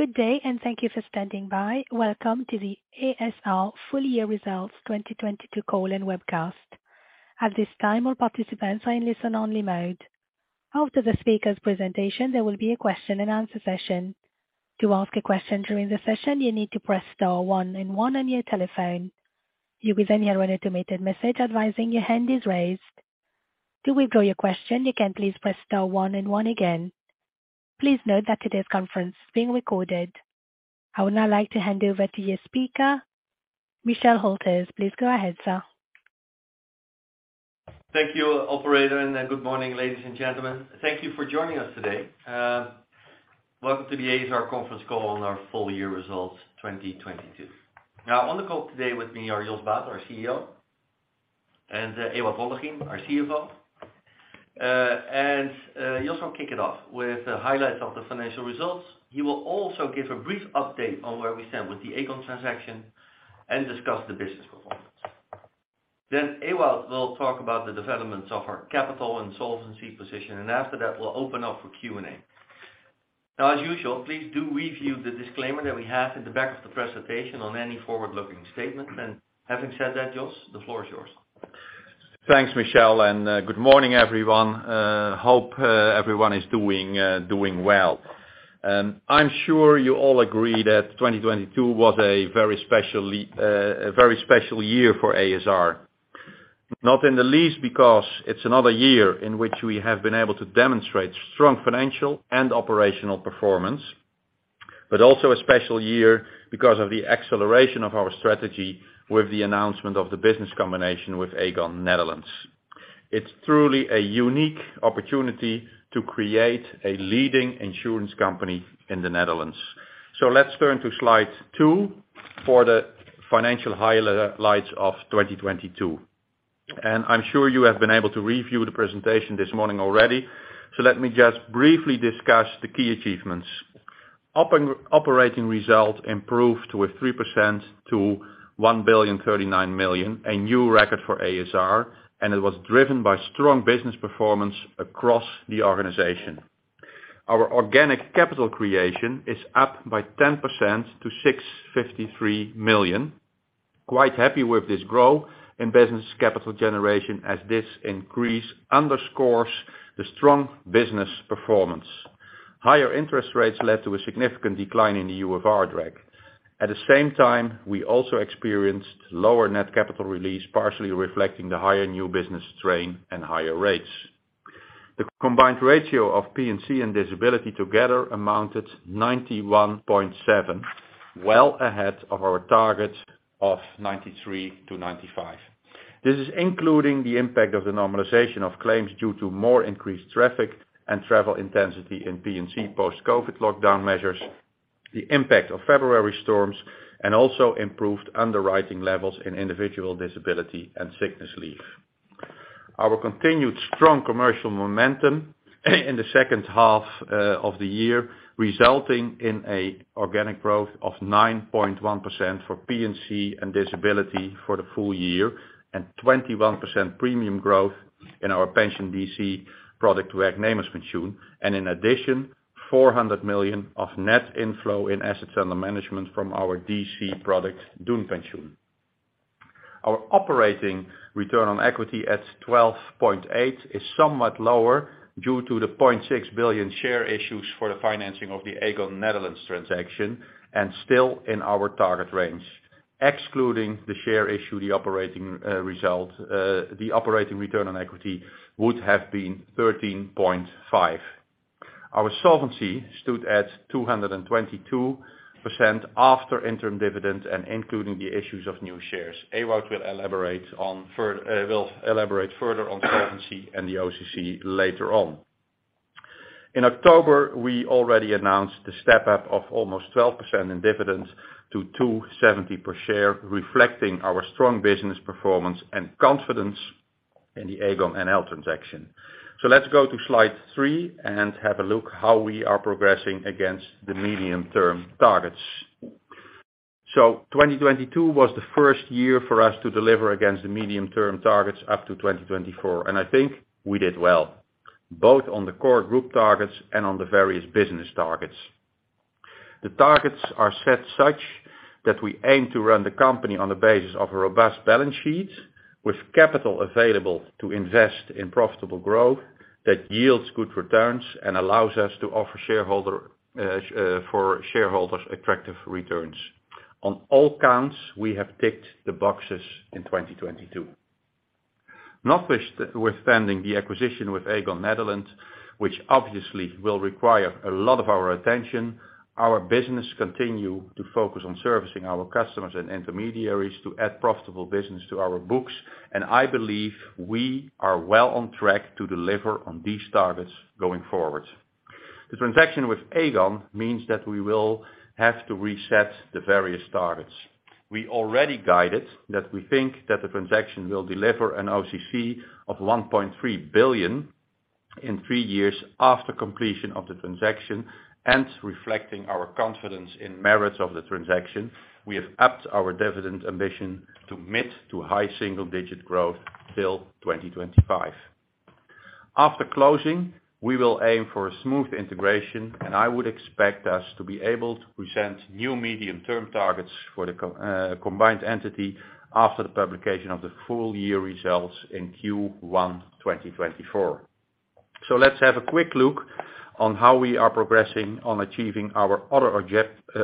Good day, and thank you for standing by. Welcome to the ASR full year results 2022 colon webcast. At this time, all participants are in listen-only mode. After the speaker's presentation, there will be a question and answer session. To ask a question during the session, you need to press star one and one on your telephone. You will then hear an automated message advising your hand is raised. To withdraw your question, you can please press star one and one again. Please note that today's conference is being recorded. I would now like to hand over to your speaker, Michel Hülters. Please go ahead, sir. Thank you, operator. Good morning, ladies and gentlemen. Thank you for joining us today. Welcome to the ASR conference call on our full year results 2022. On the call today with me are Jos Baeten, our CEO, and Ewout Hollegien, our CFO. Jos will kick it off with the highlights of the financial results. He will also give a brief update on where we stand with the Aegon transaction and discuss the business performance. Ewout will talk about the developments of our capital and solvency position. After that, we'll open up for Q&A. As usual, please do review the disclaimer that we have at the back of the presentation on any forward-looking statements. Having said that, Jos, the floor is yours. Thanks, Michel. Good morning, everyone. Hope everyone is doing well. I'm sure you all agree that 2022 was a very special year for ASR. Not in the least because it's another year in which we have been able to demonstrate strong financial and operational performance, but also a special year because of the acceleration of our strategy with the announcement of the business combination with Aegon Nederland. It's truly a unique opportunity to create a leading insurance company in the Netherlands. Let's turn to slide two for the financial highlights of 2022. I'm sure you have been able to review the presentation this morning already, let me just briefly discuss the key achievements. Operating results improved with 3% to 1.039 billion, a new record for ASR, it was driven by strong business performance across the organization. Our organic capital creation is up by 10% to 653 million. Quite happy with this growth in business capital generation as this increase underscores the strong business performance. Higher interest rates led to a significant decline in the UFR drag. At the same time, we also experienced lower net capital release, partially reflecting the higher new business strain and higher rates. The combined ratio of P&C and disability together amounted 91.7%, well ahead of our target of 93%-95%. This is including the impact of the normalization of claims due to more increased traffic and travel intensity in P&C post-COVID lockdown measures, the impact of February storms, and also improved underwriting levels in individual disability and sickness leave. Our continued strong commercial momentum in the second half of the year, resulting in organic growth of 9.1% for P&C and disability for the full year and 21% premium growth in our pension DC product, Werknemerspensioen. In addition, 400 million of net inflow in assets under management from our DC product, Doenpensioen. Our operating return on equity at 12.8% is somewhat lower due to the 0.6 billion share issue for the financing of the Aegon Nederland transaction and still in our target range. Excluding the share issue, the operating result, the operating return on equity would have been 13.5%. Our solvency stood at 222% after interim dividends and including the issues of new shares. Ewout will elaborate further on solvency and the OCC later on. In October, we already announced the step-up of almost 12% in dividends to 2.70 per share, reflecting our strong business performance and confidence in the Aegon Nederland transaction. Let's go to slide three and have a look how we are progressing against the medium-term targets. 2022 was the first year for us to deliver against the medium-term targets up to 2024, and I think we did well, both on the core group targets and on the various business targets. The targets are set such that we aim to run the company on the basis of a robust balance sheet with capital available to invest in profitable growth that yields good returns and allows us to offer for shareholders attractive returns. On all counts, we have ticked the boxes in 2022. Notwithstanding the acquisition with Aegon Nederland, which obviously will require a lot of our attention, our business continues to focus on servicing our customers and intermediaries to add profitable business to our books. I believe we are well on track to deliver on these targets going forward. The transaction with Aegon means that we will have to reset the various targets. We already guided that we think that the transaction will deliver an OCC of 1.3 billion in three years after completion of the transaction. Reflecting our confidence in merits of the transaction, we have upped our dividend ambition to mid to high single digit growth till 2025. After closing, we will aim for a smooth integration. I would expect us to be able to present new medium-term targets for the combined entity after the publication of the full year results in Q1, 2024. Let's have a quick look on how we are progressing on achieving our other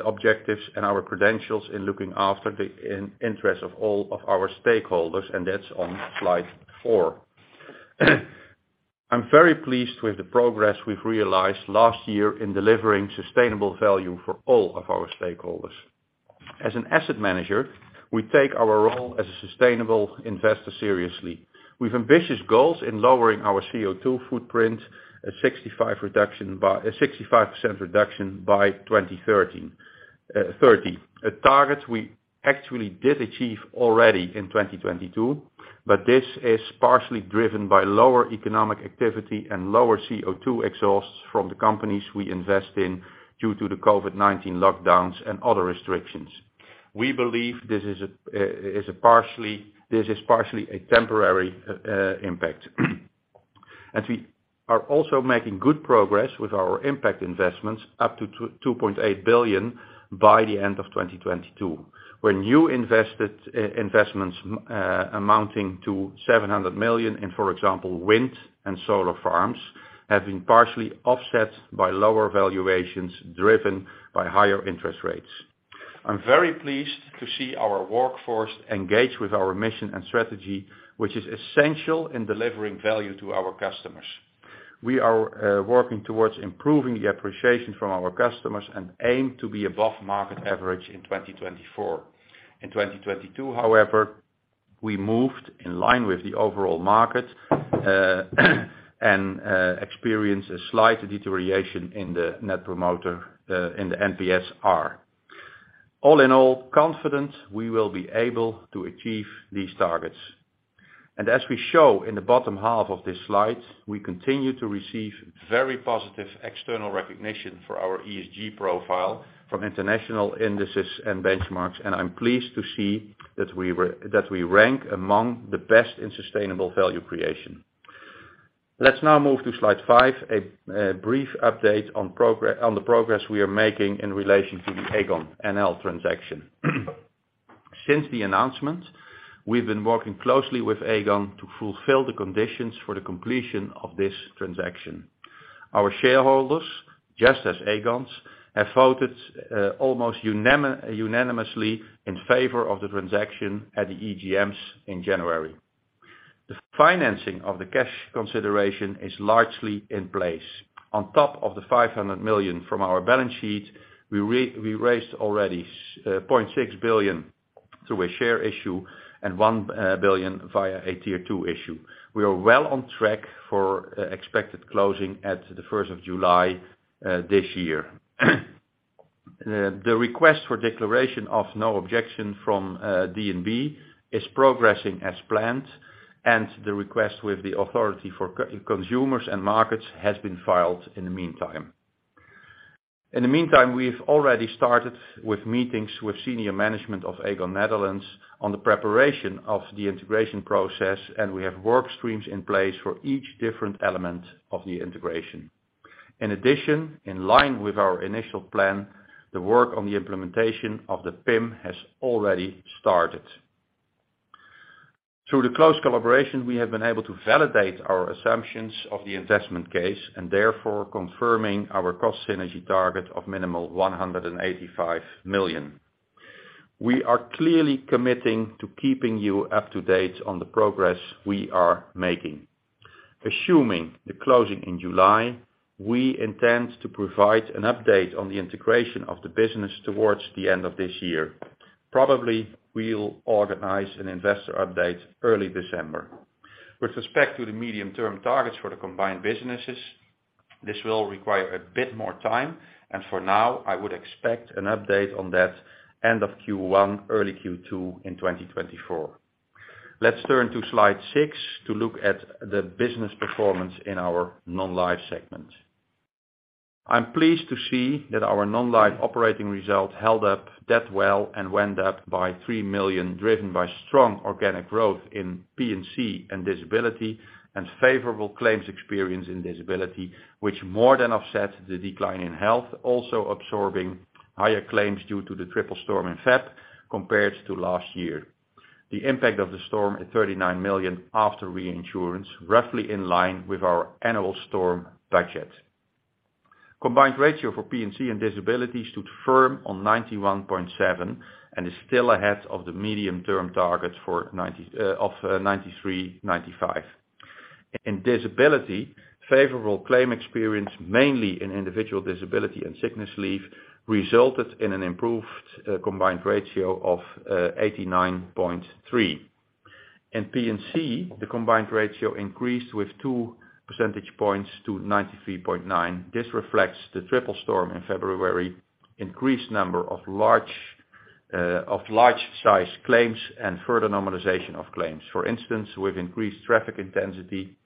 objectives and our credentials in looking after the interest of all of our stakeholders. That's on slide four. I'm very pleased with the progress we've realized last year in delivering sustainable value for all of our stakeholders. As an asset manager, we take our role as a sustainable investor seriously. We've ambitious goals in lowering our CO2 footprint, a 65% reduction by... A 65% reduction by 2030. A target we actually did achieve already in 2022, This is partially driven by lower economic activity and lower CO2 exhausts from the companies we invest in due to the COVID-19 lockdowns and other restrictions. We believe this is partially a temporary impact. We are also making good progress with our impact investments up to 2.8 billion by the end of 2022. Investments amounting to 700 million in, for example, wind and solar farms, have been partially offset by lower valuations driven by higher interest rates. I'm very pleased to see our workforce engage with our mission and strategy, which is essential in delivering value to our customers. We are working towards improving the appreciation from our customers and aim to be above market average in 2024. In 2022, however, we moved in line with the overall market and experienced a slight deterioration in the net promoter in the NPS-r. All in all, confident we will be able to achieve these targets. As we show in the bottom half of this slide, we continue to receive very positive external recognition for our ESG profile from international indices and benchmarks, and I'm pleased to see that we rank among the best in sustainable value creation. Let's now move to slide five, a brief update on the progress we are making in relation to the Aegon NL transaction. Since the announcement, we've been working closely with Aegon to fulfill the conditions for the completion of this transaction. Our shareholders, just as Aegon's, have voted almost unanimously in favor of the transaction at the EGMs in January. The financing of the cash consideration is largely in place. On top of the 500 million from our balance sheet, we raised already 0.6 billion through a share issue and 1 billion via a Tier 2 issue. We are well on track for expected closing at the first of July this year. The request for declaration of no objection from DNB is progressing as planned, and the request with the Netherlands Authority for Consumers and Markets has been filed in the meantime. In the meantime, we've already started with meetings with senior management of Aegon Nederland on the preparation of the integration process, and we have work streams in place for each different element of the integration. In addition, in line with our initial plan, the work on the implementation of the PIM has already started. Through the close collaboration, we have been able to validate our assumptions of the investment case and therefore confirming our cost synergy target of minimal 185 million. We are clearly committing to keeping you up to date on the progress we are making. Assuming the closing in July, we intend to provide an update on the integration of the business towards the end of this year. Probably, we'll organize an investor update early December. With respect to the medium-term targets for the combined businesses, this will require a bit more time. For now, I would expect an update on that end of Q1, early Q2 in 2024. Let's turn to slide six to look at the business performance in our non-life segment. I'm pleased to see that our non-life operating results held up that well and went up by 3 million, driven by strong organic growth in P&C and disability and favorable claims experience in disability, which more than offset the decline in health, also absorbing higher claims due to the triple storm in February compared to last year. The impact of the storm at 39 million after reinsurance, roughly in line with our annual storm budget. Combined ratio for P&C and disability stood firm on 91.7 and is still ahead of the medium-term target of 93-95. In disability, favorable claim experience, mainly in individual disability and sickness leave, resulted in an improved combined ratio of 89.3. In P&C, the combined ratio increased with two percentage points to 93.9. This reflects the triple storm in February, increased number of large-sized claims, and further normalization of claims. For instance, with increased traffic intensity,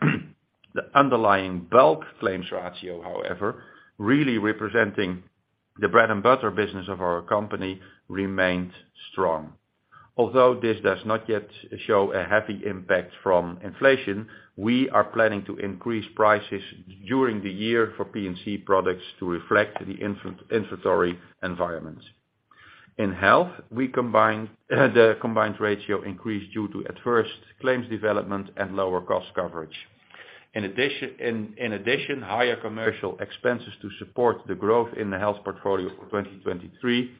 the underlying bulk claims ratio, however, really representing the bread and butter business of our company, remained strong. Although this does not yet show a heavy impact from inflation, we are planning to increase prices during the year for P&C products to reflect the infantory environment. In health, the combined ratio increased due to adverse claims development and lower cost coverage. In addition, in addition, higher commercial expenses to support the growth in the health portfolio for 2023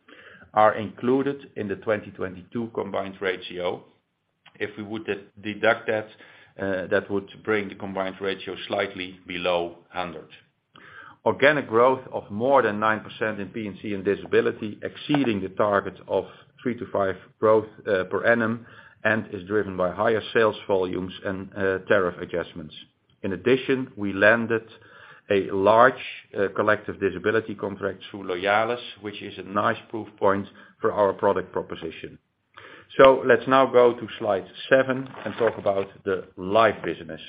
are included in the 2022 combined ratio. If we would deduct that would bring the combined ratio slightly below 100. Organic growth of more than 9% in P&C and disability, exceeding the target of three to five growth per annum, is driven by higher sales volumes and tariff adjustments. In addition, we landed a large collective disability contract through Loyalis, which is a nice proof point for our product proposition. Let's now go to slide seven and talk about the live business.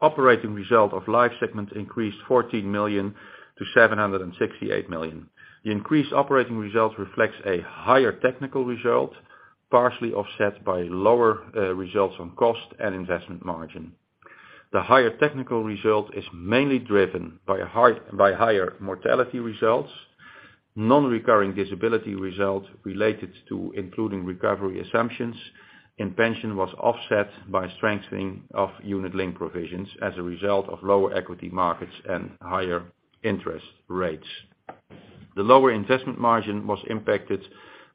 Operating result of live segment increased 14 million to 768 million. The increased operating results reflects a higher technical result, partially offset by lower results on cost and investment margin. The higher technical result is mainly driven by higher mortality results. Non-recurring disability result related to including recovery assumptions and pension was offset by strengthening of Unit Linked provisions as a result of lower equity markets and higher interest rates. The lower investment margin was impacted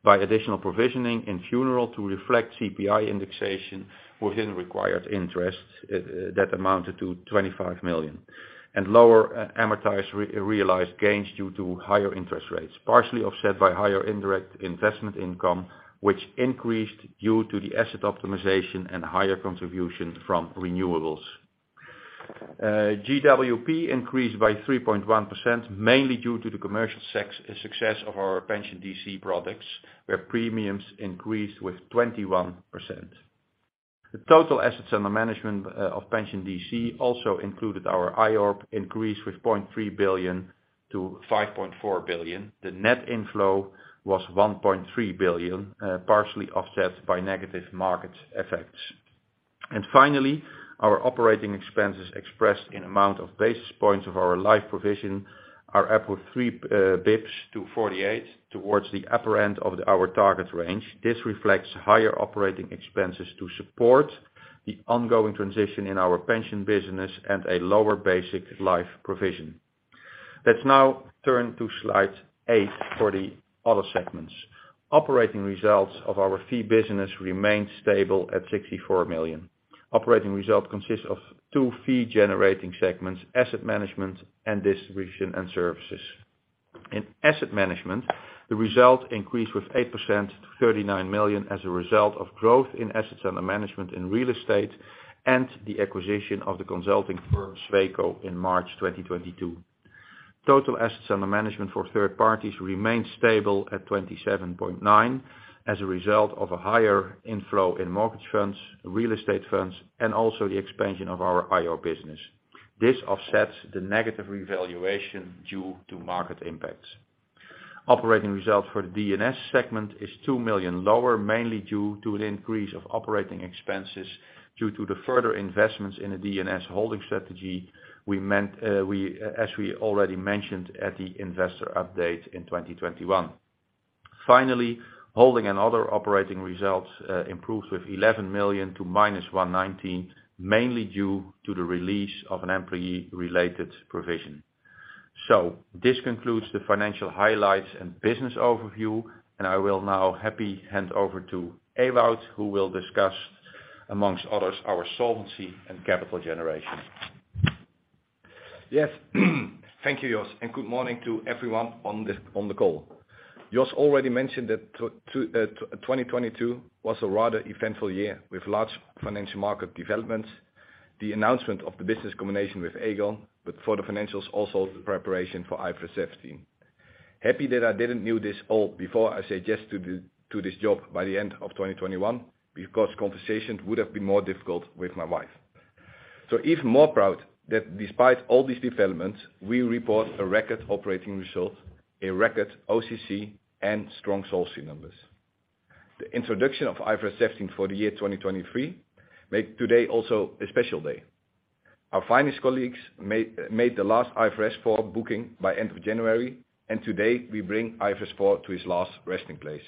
by additional provisioning in funeral to reflect CPI indexation within required interest that amounted to 25 million. Lower amortized realized gains due to higher interest rates, partially offset by higher indirect investment income, which increased due to the asset optimization and higher contribution from renewables. GWP increased by 3.1%, mainly due to the commercial success of our pension DC products, where premiums increased with 21%. The total assets under management of pension DC also included our IORP increased with 0.3 billion to 5.4 billion. The net inflow was 1.3 billion, partially offset by negative market effects. Finally, our operating expenses expressed in amount of basis points of our live provision are up with 3 basis points to 48 towards the upper end of our target range. This reflects higher operating expenses to support the ongoing transition in our pension business and a lower basic life provision. Let's now turn to slide eight for the other segments. Operating results of our fee business remained stable at 64 million. Operating result consists of two fee-generating segments: asset management and distribution and services. In asset management, the result increased with 8% to 39 million as a result of growth in assets under management in real estate and the acquisition of the consulting firm Sweco in March 2022. Total assets under management for third parties remained stable at 27.9 as a result of a higher inflow in mortgage funds, real estate funds, and also the expansion of our IO business. This offsets the negative revaluation due to market impacts. Operating results for the D&S segment is 2 million lower, mainly due to an increase of OpEx due to the further investments in the D&S holding strategy, as we already mentioned at the investor update in 2021. Holding and other operating results improved with 11 million to minus 119, mainly due to the release of an employee-related provision. This concludes the financial highlights and business overview, and I will now happy hand over to Ewout, who will discuss, amongst others, our solvency and capital generation. Yes. Thank you, Jos, and good morning to everyone on the call. Jos already mentioned that 2022 was a rather eventful year with large financial market developments, the announcement of the business combination with Aegon, but for the financials also the preparation for IFRS 17. Happy that I didn't knew this all before I suggest this job by the end of 2021 because conversations would have been more difficult with my wife. Even more proud that despite all these developments, we report a record operating result, a record OCC, and strong solvency numbers. The introduction of IFRS 17 for the year 2023 make today also a special day. Our finest colleagues made the last IFRS 4 booking by end of January, and today we bring IFRS 4 to its last resting place.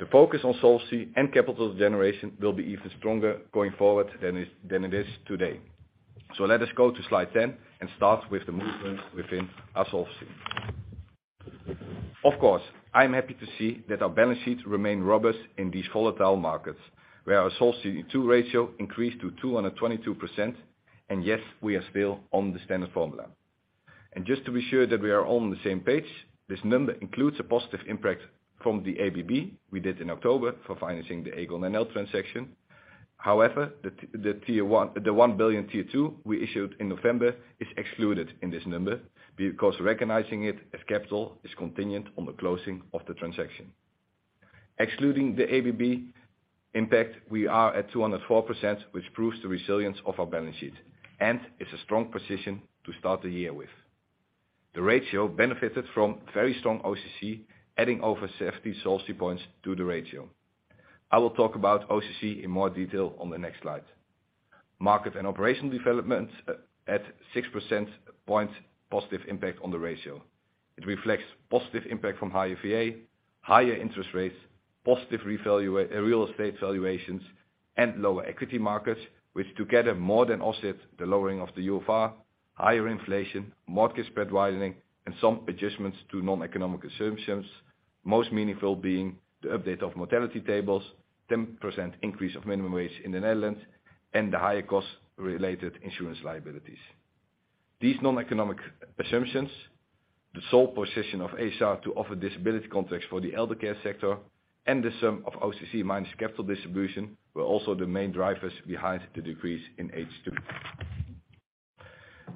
The focus on solvency and capital generation will be even stronger going forward than it is today. Let us go to slide 10 and start with the movement within our solvency. Of course, I'm happy to see that our balance sheets remain robust in these volatile markets, where our Solvency II ratio increased to 222%. Yes, we are still on the standard formula. Just to be sure that we are on the same page, this number includes a positive impact from the ABB we did in October for financing the Aegon NL transaction. However, the Tier 1, the 1 billion Tier 2 we issued in November is excluded in this number because recognizing it as capital is contingent on the closing of the transaction. Excluding the ABB impact, we are at 204%, which proves the resilience of our balance sheet, and it's a strong position to start the year with. The ratio benefited from very strong OCC, adding over safety solvency points to the ratio. I will talk about OCC in more detail on the next slide. Market and operational development at 6 percentage point positive impact on the ratio. It reflects positive impact from higher VA, higher interest rates, positive real estate valuations, and lower equity markets, which together more than offset the lowering of the UFR, higher inflation, market spread widening, and some adjustments to noneconomic assumptions. Most meaningful being the update of mortality tables, 10% increase of minimum wage in the Netherlands, and the higher cost related insurance liabilities. These noneconomic assumptions, the sole position of ASR to offer disability context for the elder care sector and the sum of OCC minus capital distribution were also the main drivers behind the decrease in H2.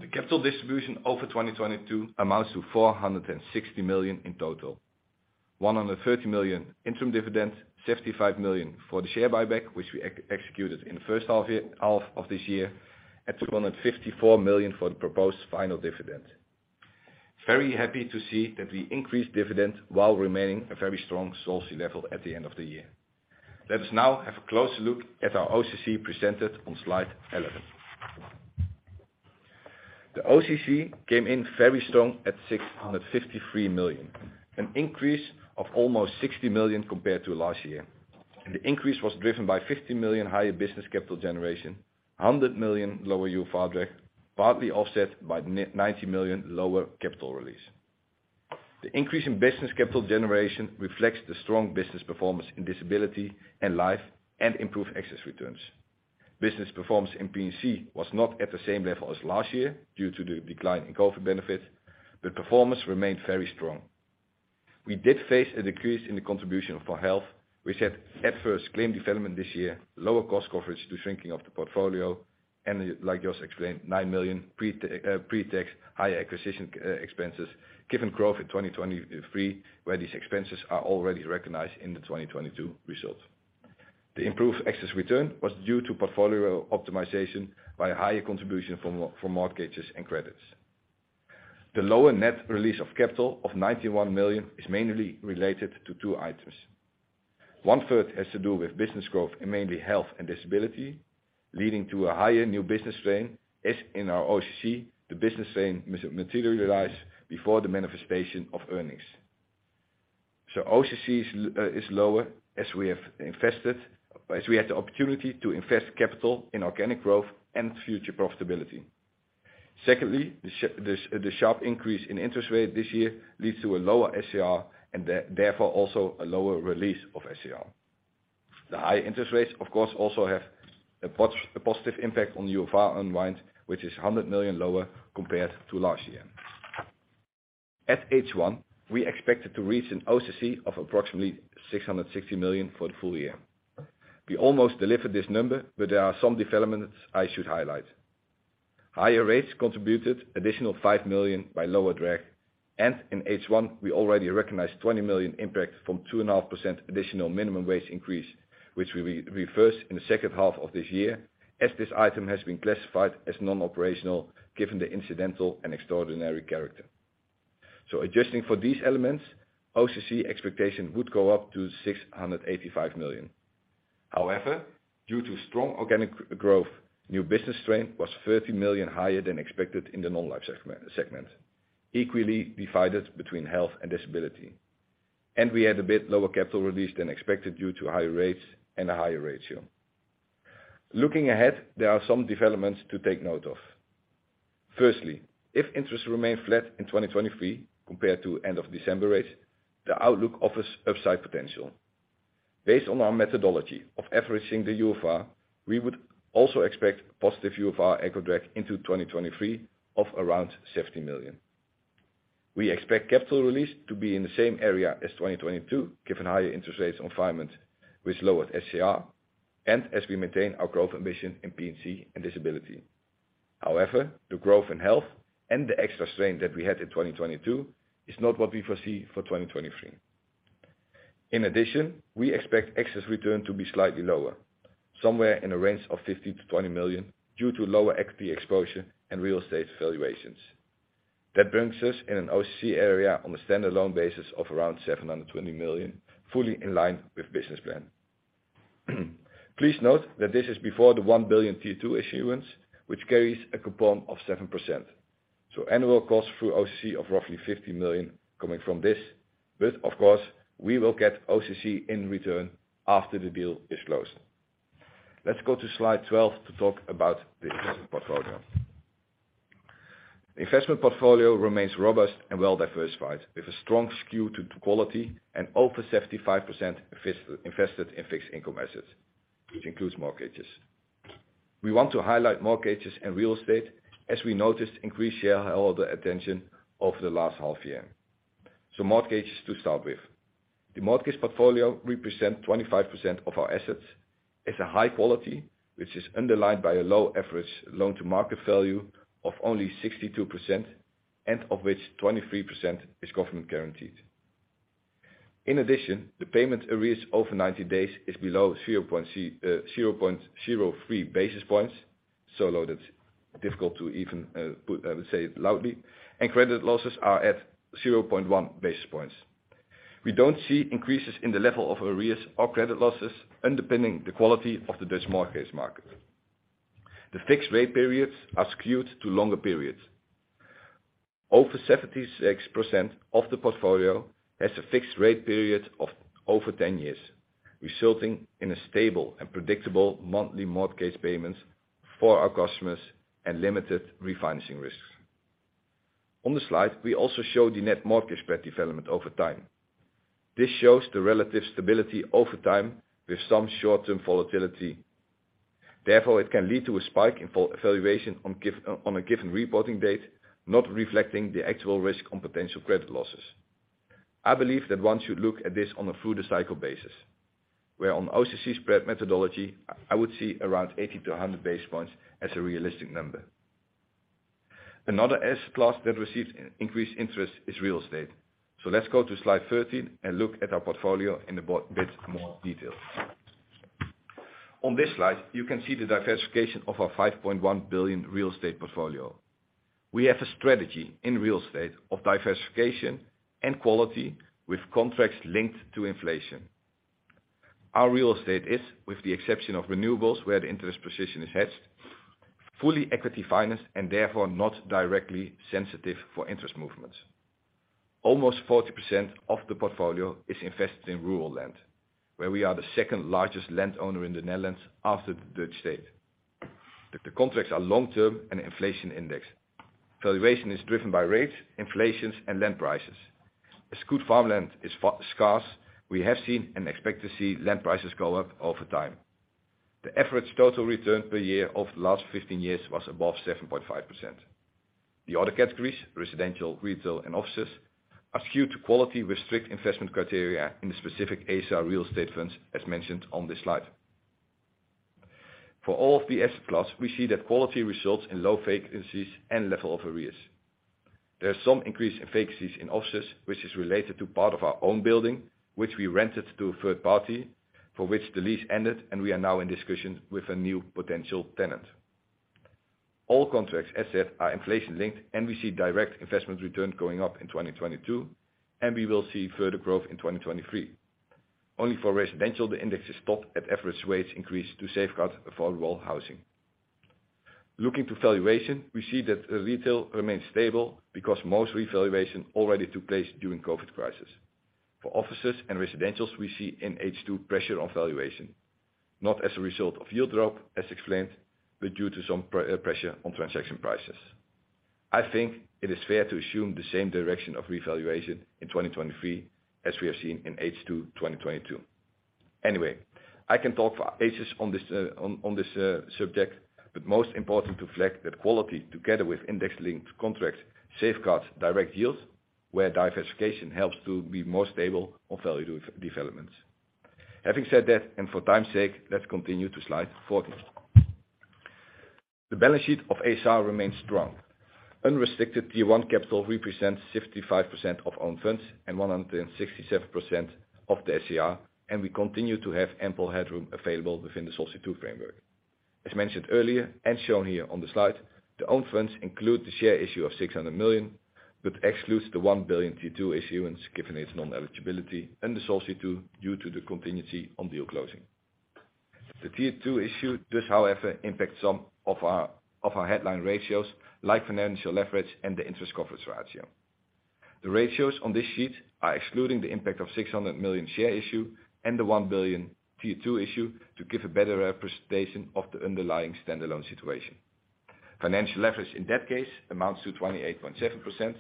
The capital distribution over 2022 amounts to 460 million in total. 130 million interim dividends, 55 million for the share buyback, which we executed in the first half of this year, and 254 million for the proposed final dividend. Very happy to see that we increased dividend while remaining a very strong solvency level at the end of the year. Let us now have a closer look at our OCC presented on slide 11. The OCC came in very strong at 653 million, an increase of almost 60 million compared to last year. The increase was driven by 50 million higher business capital generation, 100 million lower UFR drag, partly offset by 90 million lower capital release. The increase in business capital generation reflects the strong business performance in disability and life and improved excess returns. Business performance in P&C was not at the same level as last year due to the decline in COVID benefits. The performance remained very strong. We did face a decrease in the contribution for health. We said at first claim development this year, lower cost coverage to shrinking of the portfolio and like just explained, 9 million pre-tax, higher acquisition expenses given growth in 2023, where these expenses are already recognized in the 2022 results. The improved excess return was due to portfolio optimization by higher contribution from mortgages and credits. The lower net release of capital of 91 million is mainly related to two items. One third has to do with business growth and mainly health and disability, leading to a higher new business strain. In our OCC, the business strain materialize before the manifestation of earnings. OCC is lower as we have invested, as we had the opportunity to invest capital in organic growth and future profitability. Secondly, the sharp increase in interest rate this year leads to a lower SCR and therefore also a lower release of SCR. The high interest rates of course also have a positive impact on UFR unwind, which is 100 million lower compared to last year. At H1, we expected to reach an OCC of approximately 660 million for the full year. We almost delivered this number. There are some developments I should highlight. Higher rates contributed additional 5 million by lower drag. In H1, we already recognized 20 million impact from 2.5% additional minimum wage increase, which will be reversed in the second half of this year as this item has been classified as non-operational, given the incidental and extraordinary character. Adjusting for these elements, OCC expectation would go up to 685 million. However, due to strong organic growth, new business strain was 30 million higher than expected in the non-life segment, equally divided between health and disability. We had a bit lower capital release than expected due to higher rates and a higher ratio. Looking ahead, there are some developments to take note of. Firstly, if interest remain flat in 2023 compared to end of December rates, the outlook offers upside potential. Based on our methodology of averaging the UFR, we would also expect positive UFR drag into 2023 of around EUR safety million. We expect capital release to be in the same area as 2022, given higher interest rates environment with lowered SCR and as we maintain our growth ambition in P&C and disability. The growth in health and the extra strain that we had in 2022 is not what we foresee for 2023. We expect excess return to be slightly lower, somewhere in a range of 15 million-20 million due to lower equity exposure and real estate valuations. Brings us in an OCC area on a stand-alone basis of around 720 million, fully in line with business plan. Please note that this is before the 1 billion T2 issuance, which carries a coupon of 7%. Annual costs through OCC of roughly 50 million coming from this. Of course, we will get OCC in return after the deal is closed. Let's go to slide 12 to talk about the investment portfolio. Investment portfolio remains robust and well diversified with a strong skew to quality and over 75% invested in fixed income assets, which includes mortgages. We want to highlight mortgages and real estate as we noticed increased shareholder attention over the last half year. Mortgages to start with. The mortgage portfolio represent 25% of our assets. It's a high quality, which is underlined by a low average loan to market value of only 62%, and of which 23% is government guaranteed. In addition, the payment arrears over 90 days is below 0.03 basis points, so low that's difficult to even put say it loudly. Credit losses are at 0.1 basis points. We don't see increases in the level of arrears or credit losses underpinning the quality of the Dutch mortgage market. The fixed rate periods are skewed to longer periods. Over 76% of the portfolio has a fixed rate period of over 10 years, resulting in a stable and predictable monthly mortgage payments for our customers and limited refinancing risks. On the slide, we also show the net mortgage spread development over time. This shows the relative stability over time with some short-term volatility. It can lead to a spike in full evaluation on a given reporting date, not reflecting the actual risk on potential credit losses. I believe that one should look at this on a through-the-cycle basis, where on OCC spread methodology, I would see around 80 to 100 basis points as a realistic number. Another asset class that receives increased interest is real estate. Let's go to slide 13 and look at our portfolio in a bit more detail. On this slide, you can see the diversification of our 5.1 billion real estate portfolio. We have a strategy in real estate of diversification and quality with contracts linked to inflation. Our real estate is, with the exception of renewables, where the interest position is hedged, fully equity-financed and therefore not directly sensitive for interest movements. Almost 40% of the portfolio is invested in rural land, where we are the second-largest land owner in the Netherlands after the Dutch state. The contracts are long-term and inflation-indexed. Valuation is driven by rates, inflations, and land prices. As good farmland is scarce, we have seen and expect to see land prices go up over time. The average total return per year over the last 15 years was above 7.5%. The other categories, residential, retail, and offices, are skewed to quality with strict investment criteria in the specific ASR real estate funds, as mentioned on this slide. For all of the asset class, we see that quality results in low vacancies and level of arrears. There are some increase in vacancies in offices which is related to part of our own building, which we rented to a third party, for which the lease ended, and we are now in discussions with a new potential tenant. All contracts as said are inflation-linked, and we see direct investment return going up in 2022, and we will see further growth in 2023. Only for residential, the index is stopped at average rates increase to safeguard affordable housing. Looking to valuation, we see that retail remains stable because most revaluation already took place during COVID crisis. For offices and residentials, we see in H2 pressure on valuation, not as a result of yield drop as explained, but due to some pressure on transaction prices. I think it is fair to assume the same direction of revaluation in 2023 as we have seen in H2 2022. Anyway, I can talk for ages on this subject, but most important to flag that quality together with index-linked contracts safeguards direct yields, where diversification helps to be more stable on value developments. Having said that, and for time's sake, let's continue to slide 14. The balance sheet of ASR remains strong. Unrestricted Tier 1 capital represents 55% of own funds and 167% of the SCR, and we continue to have ample headroom available within the Solvency II framework. As mentioned earlier, shown here on the slide, the own funds include the share issue of 600 million, but excludes the 1 billion Tier 2 issuance given its non-eligibility and the Solvency II due to the contingency on deal closing. The Tier 2 issue does, however, impact some of our headline ratios, like financial leverage and the interest coverage ratio. The ratios on this sheet are excluding the impact of 600 million share issue and the 1 billion Tier 2 issue to give a better representation of the underlying standalone situation. Financial leverage in that case amounts to 28.7%.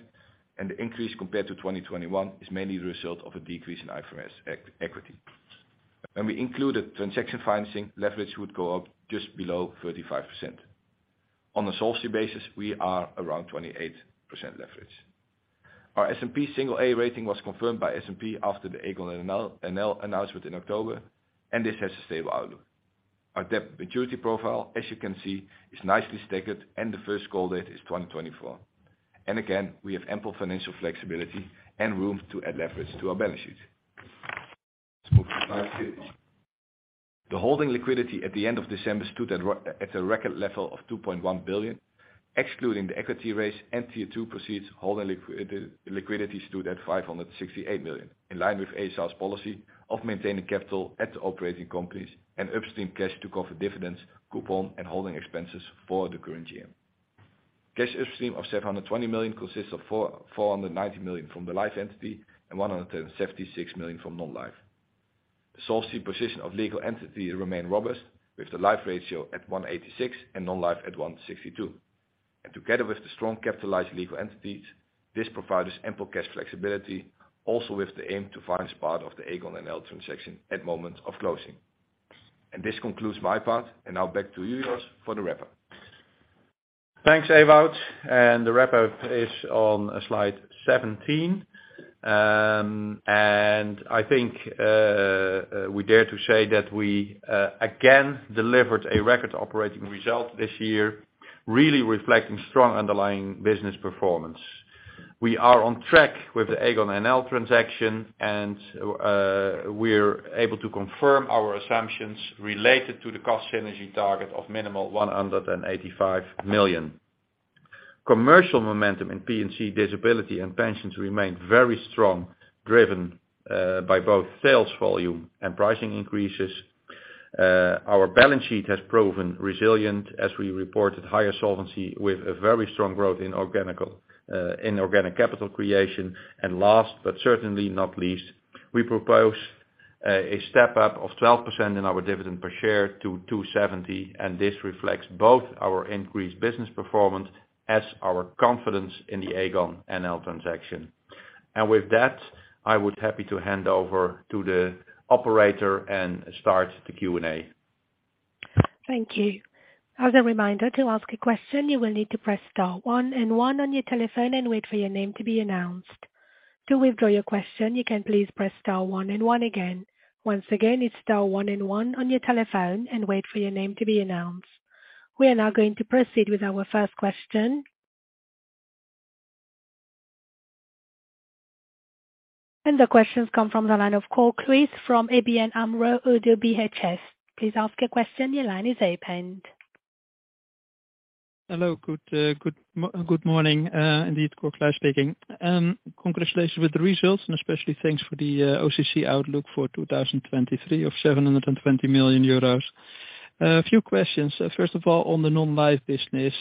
The increase compared to 2021 is mainly the result of a decrease in IFRS equity. When we include the transaction financing, leverage would go up just below 35%. On a Solvency basis, we are around 28% leverage. Our S&P single A rating was confirmed by S&P after the Aegon NL announcement in October. This has a stable outlook. Our debt maturity profile, as you can see, is nicely staggered and the first call date is 2024. Again, we have ample financial flexibility and room to add leverage to our balance sheet. Let's move to slide 15. The holding liquidity at the end of December stood at a record level of 2.1 billion. Excluding the equity raise and Tier 2 proceeds, holding liquidity stood at 568 million, in line with ASR's policy of maintaining capital at the operating companies and upstream cash to cover dividends, coupon, and holding expenses for the current year. Cash upstream of 720 million consists of 490 million from the life entity and 176 million from non-life. The Solvency position of legal entity remain robust with the life ratio at 186% and non-life at 162%. Together with the strong capitalized legal entities, this provides ample cash flexibility also with the aim to finance part of the Aegon Nederland transaction at moment of closing. This concludes my part, and now back to you, Jos, for the wrap-up. Thanks, Ewout. The wrap-up is on slide 17. I think we dare to say that we again delivered a record operating result this year. Really reflecting strong underlying business performance. We are on track with the Aegon Nederland transaction, and we're able to confirm our assumptions related to the cost synergy target of minimal 185 million. Commercial momentum in P&C disability and pensions remain very strong, driven by both sales volume and pricing increases. Our balance sheet has proven resilient as we reported higher solvency with a very strong growth in organical in organic capital creation. Last, but certainly not least, we propose a step-up of 12% in our dividend per share to 2.70, and this reflects both our increased business performance as our confidence in the Aegon Nederland transaction. With that, I would happy to hand over to the operator and start the Q&A. Thank you. As a reminder, to ask a question, you will need to press star one and one on your telephone and wait for your name to be announced. To withdraw your question, you can please press star one and one again. Once again, it's star one and one on your telephone and wait for your name to be announced. We are now going to proceed with our first question. The questions come from the line of Cor Kluis from ABN AMRO-ODDO BHF. Please ask your question. Your line is opened. Hello. Good morning, indeed, Cor Kluis speaking. Congratulations with the results and especially thanks for the OCC outlook for 2023 of 720 million euros. A few questions. First of all, on the non-life business,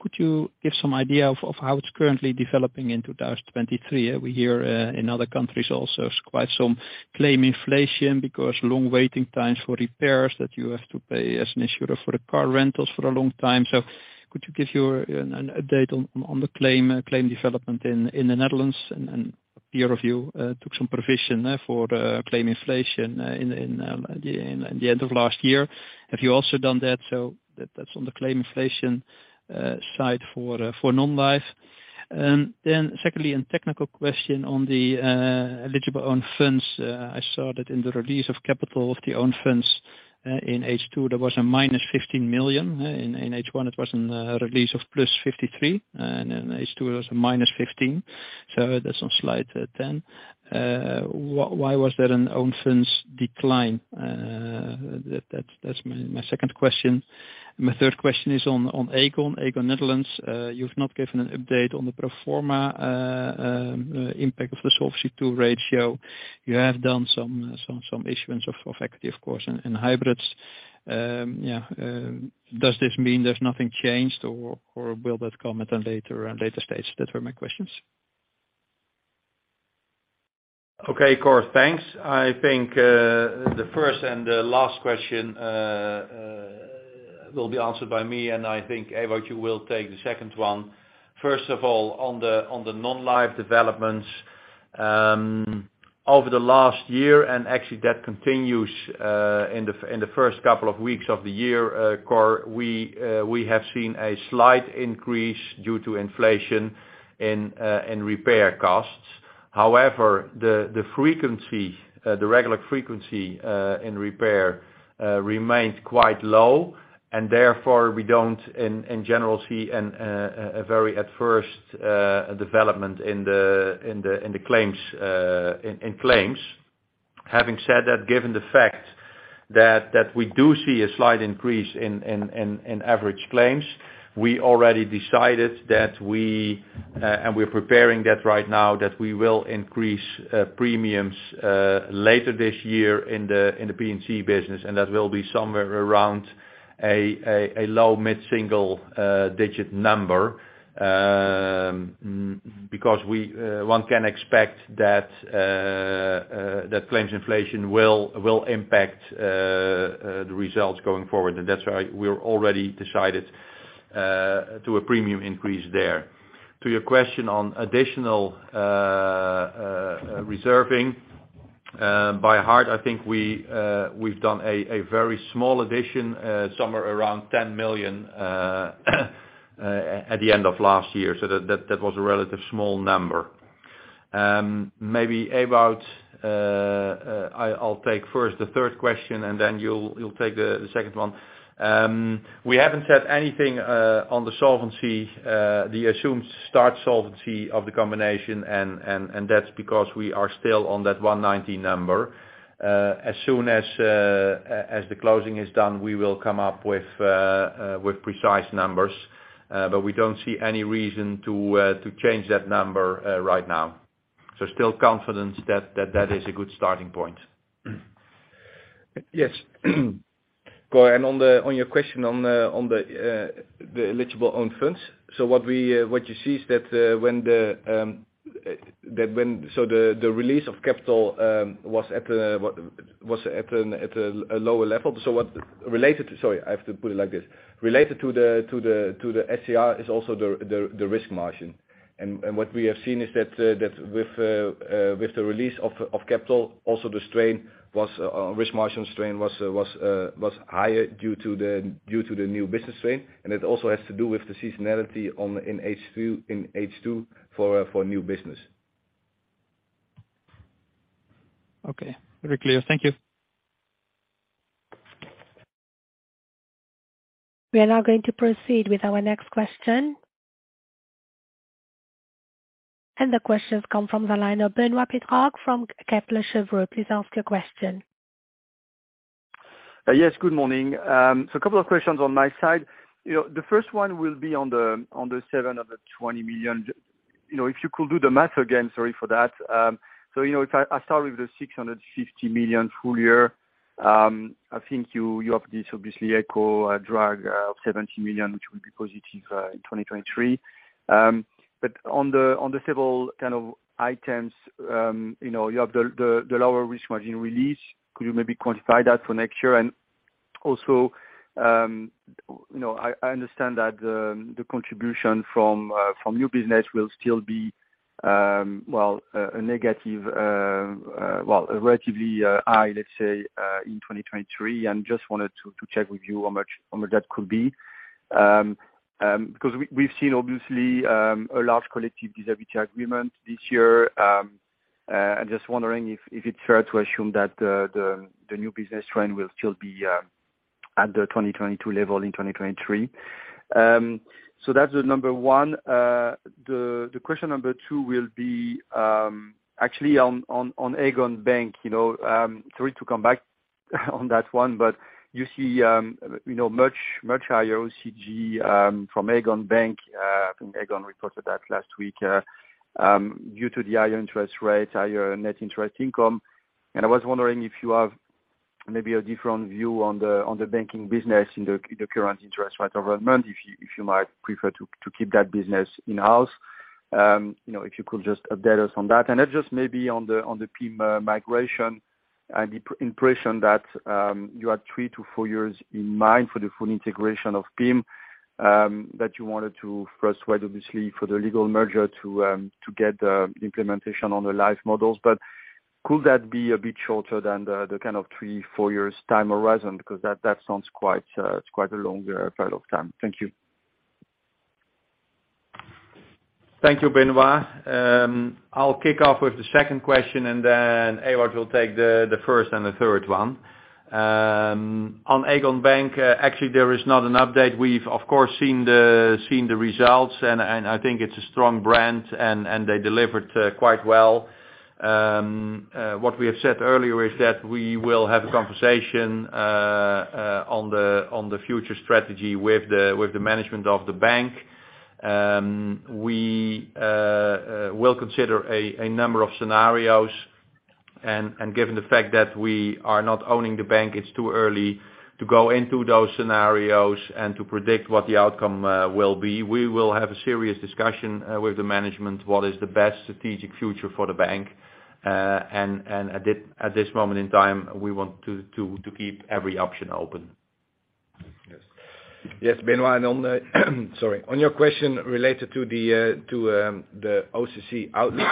could you give some idea of how it's currently developing in 2023? We hear in other countries also it's quite some claim inflation because long waiting times for repairs that you have to pay as an insurer for the car rentals for a long time. Could you give an update on the claim development in the Netherlands and peer review took some provision there for claim inflation in the end of last year. Have you also done that? That's on the claim inflation side for non-life. Secondly, a technical question on the eligible own funds. I saw that in the release of capital of the own funds in H2, there was -15 million. In H1, it was in release of 53 million, and in H2, it was -15 million. There's some slight then. Why was there an own funds decline? That's my second question. My third question is on Aegon Nederland. You've not given an update on the pro forma impact of the Solvency II ratio. You have done some issuance of equity, of course, in hybrids. Yeah. Does this mean there's nothing changed or will that come at a later stage? Those were my questions. Okay. Cor, thanks. I think the first and the last question will be answered by me. I think, Ewout, you will take the second one. First of all, on the non-life developments, over the last year, actually that continues in the first couple of weeks of the year, Cor, we have seen a slight increase due to inflation in repair costs. However, the frequency, the regular frequency in repair, remained quite low. Therefore we don't in general see a very adverse development in the claims. Having said that, given the fact that we do see a slight increase in average claims, we already decided that we, and we're preparing that right now, that we will increase premiums later this year in the P&C business, and that will be somewhere around a low mid-single digit number, because we, one can expect that claims inflation will impact the results going forward. That's why we already decided to a premium increase there. To your question on additional reserving by heart, I think we've done a very small addition somewhere around 10 million at the end of last year. That was a relatively small number. oing to talk about the solvency ratio. We're still at 190%. We haven't said anything different, and we don't see any reason to change that number right now. So, we're still confident that 190% is a good starting point. As soon as the closing is done, we will come up with precise numbers. Yes. Cor, on your question on the eligible own funds. What we, what you see is that when the release of capital was at a lower level. Sorry, I have to put it like this. Related to the SCR is also the risk margin. What we have seen is that with the release of capital, also the strain was risk margin strain was higher due to the new business strain. It also has to do with the seasonality in H2 for new business. Okay. Very clear. Thank you. We are now going to proceed with our next question. The question's come from the line of Benoît Pétrarque from Kepler Cheuvreux. Please ask your question. Yes, good morning. Two questions on my side. You know, the first one will be on the 7 of the 20 million. You know, if you could do the math again. Sorry for that. You know, if I start with the 650 million full year, I think you have this obviously Aegon drag of 70 million, which will be positive in 2023. On the several kind of items, you know, you have the lower risk margin release. Could you maybe quantify that for next year? You know, I understand that the contribution from new business will still be well a negative, well relatively high, let's say, in 2023. Just wanted to check with you how much that could be. Because we've seen obviously, a large collective agreement this year. Just wondering if it's fair to assume that the new business trend will still be at the 2022 level in 2023. That's the one. The question two will be actually on Aegon Bank. You know, sorry to come back on that one, but you see, you know, much higher OCG from Aegon Bank. I think Aegon reported that last week, due to the higher interest rates, higher net interest income. I was wondering if you have maybe a different view on the banking business in the current interest rate environment, if you, if you might prefer to keep that business in-house. You know, if you could just update us on that. Then just maybe on the PIM migration and the impression that you had three to four years in mind for the full integration of PIM, that you wanted to first wait obviously for the legal merger to get implementation on the live models. Could that be a bit shorter than the kind of three, four years time horizon? Because that sounds quite, it's quite a longer period of time. Thank you. Thank you, Benoit. I'll kick off with the second question, then Ewout will take the first and the third one. On Aegon Bank, actually, there is not an update. We've, of course, seen the results, and I think it's a strong brand and they delivered quite well. What we have said earlier is that we will have a conversation on the future strategy with the management of the bank. We will consider a number of scenarios. Given the fact that we are not owning the bank, it's too early to go into those scenarios and to predict what the outcome will be. We will have a serious discussion with the management, what is the best strategic future for the bank. At this moment in time, we want to keep every option open. Yes. Yes, Benoit, on your question related to the OCC outlook.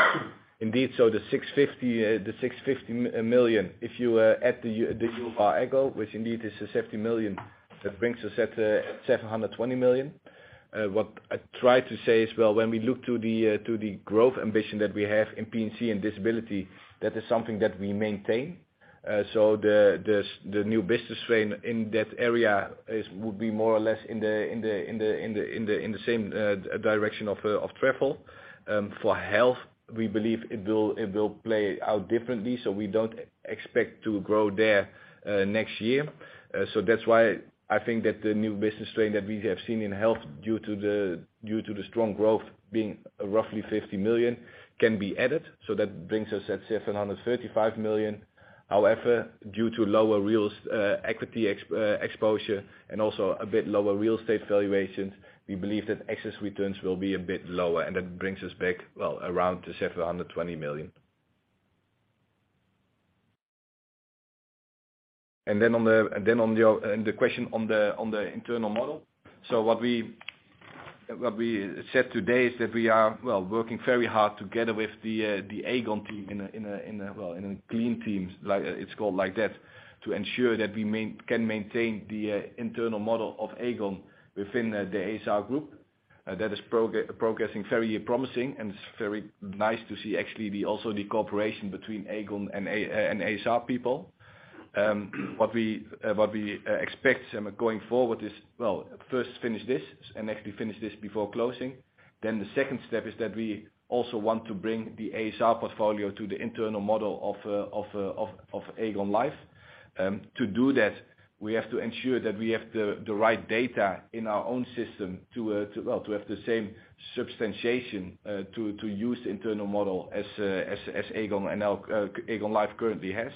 Indeed, the 650 million, if you add the UFR Aegon, which indeed is the 70 million, that brings us at 720 million. What I tried to say is, well, when we look to the growth ambition that we have in P&C and Disability, that is something that we maintain. The new business trend in that area is, will be more or less in the same direction of Travel. For Health, we believe it will play out differently, so we don't expect to grow there next year. That's why I think that the new business trend that we have seen in Health due to the strong growth being roughly 50 million can be added. That brings us at 735 million. However, due to lower equity exposure and also a bit lower real estate valuations, we believe that excess returns will be a bit lower, and that brings us back, well, around to 720 million. On your question on the internal model. What we said today is that we are working very hard together with the Aegon team in a clean teams, like, it's called like that, to ensure that we can maintain the internal model of Aegon within the ASR group. That is progressing very promising, and it's very nice to see actually the also the cooperation between Aegon and ASR people. What we expect them going forward is first finish this, and actually finish this before closing. The second step is that we also want to bring the ASR portfolio to the internal model of Aegon Life. To do that, we have to ensure that we have the right data in our own system to have the same substantiation to use internal model as Aegon and Aegon Life currently has.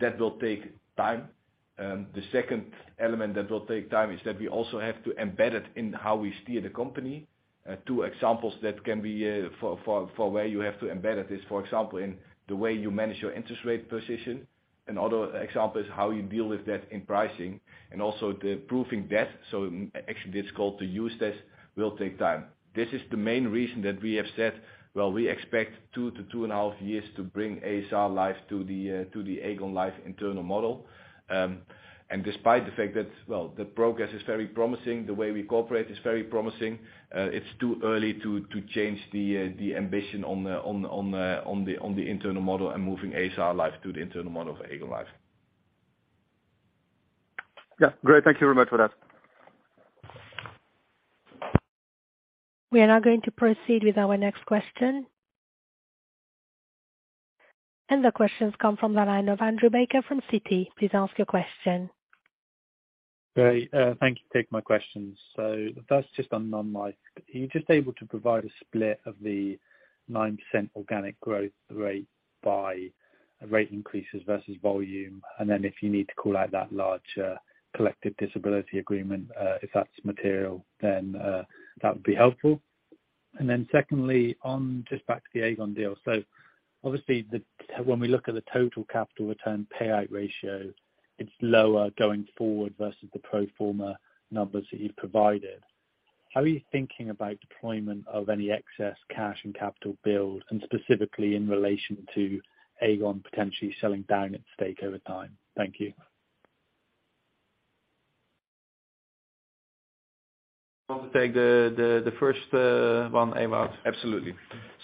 That will take time. The second element that will take time is that we also have to embed it in how we steer the company. Two examples that can be for where you have to embed it is, for example, in the way you manage your interest rate position, and other example is how you deal with that in pricing, and also the proving debt. Actually, it's called the use test will take time. This is the main reason that we have said, well, we expect two to two and a half years to bring ASR Life to the, to the Aegon Life internal model. Despite the fact that, well, the progress is very promising, the way we cooperate is very promising, it's too early to change the ambition on the internal model and moving ASR Life to the internal model of Aegon Life. Yeah. Great. Thank you very much for that. We are now going to proceed with our next question. The question's come from the line of Andrew Baker from Citi. Please ask your question. Great. Thank you for taking my question. The first just on non-life. Are you just able to provide a split of the 9% organic growth rate by rate increases versus volume? If you need to call out that large collective disability agreement, if that's material, that would be helpful. Secondly, on just back to the Aegon deal. Obviously, when we look at the total capital return payout ratio, it's lower going forward versus the pro forma numbers that you've provided. How are you thinking about deployment of any excess cash and capital build, and specifically in relation to Aegon potentially selling down its stake over time? Thank you. Want to take the first one, Ewout. Absolutely.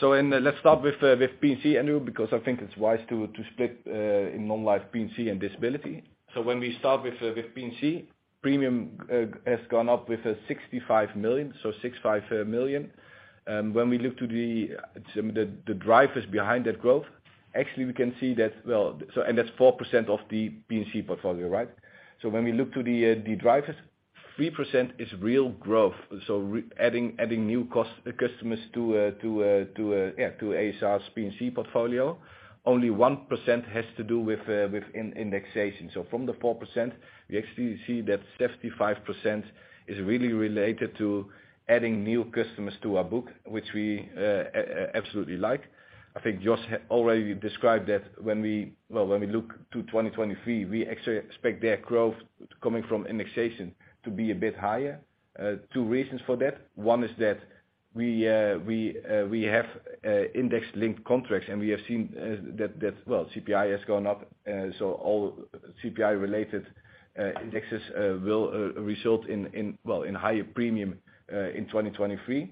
Let's start with PNC, Andrew, because I think it's wise to split in non-life PNC and disability. When we start with PNC, premium has gone up with a 65 million, so 65 million. When we look to the drivers behind that growth, actually we can see that. Well, that's 4% of the PNC portfolio, right? When we look to the drivers, 3% is real growth, adding new customers to ASR's PNC portfolio. Only 1% has to do with in-indexation. From the 4%, we actually see that 75% is really related to adding new customers to our book, which we absolutely like. I think Jos already described that when we, well, when we look to 2023, we actually expect their growth coming from indexation to be a bit higher. Two reasons for that. One is that we have index-linked contracts, and we have seen that, well, CPI has gone up. So all CPI-related indexes will result in, well, in higher premium in 2023.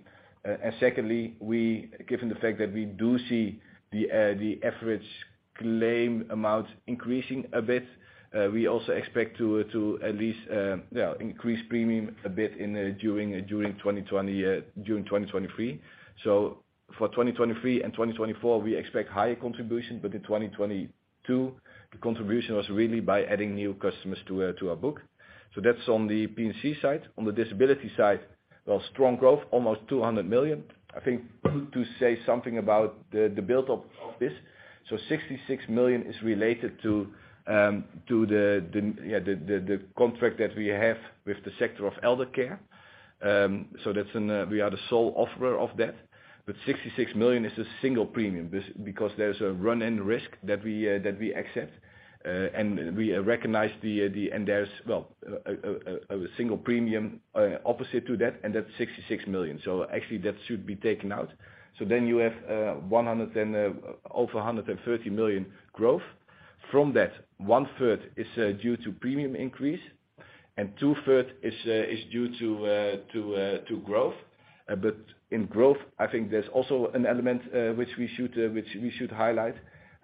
Secondly, we given the fact that we do see the average claim amount increasing a bit, we also expect to at least, yeah, increase premium a bit during 2023. For 2023 and 2024, we expect higher contribution, but in 2022, the contribution was really by adding new customers to our book. That's on the P&C side. On the disability side, well, strong growth, almost 200 million. I think to say something about the build up of this. Sixty-six million is related to the contract that we have with the sector of elder care. That's we are the sole offerer of that. Sixty-six million is a single premium because there's a run-in risk that we accept. We recognize and there's, well, a single premium opposite to that, and that's 66 million. Actually that should be taken out. You have over 130 million growth. From that, 1/3 is due to premium increase and 2/3 is due to growth. In growth, I think there's also an element which we should highlight.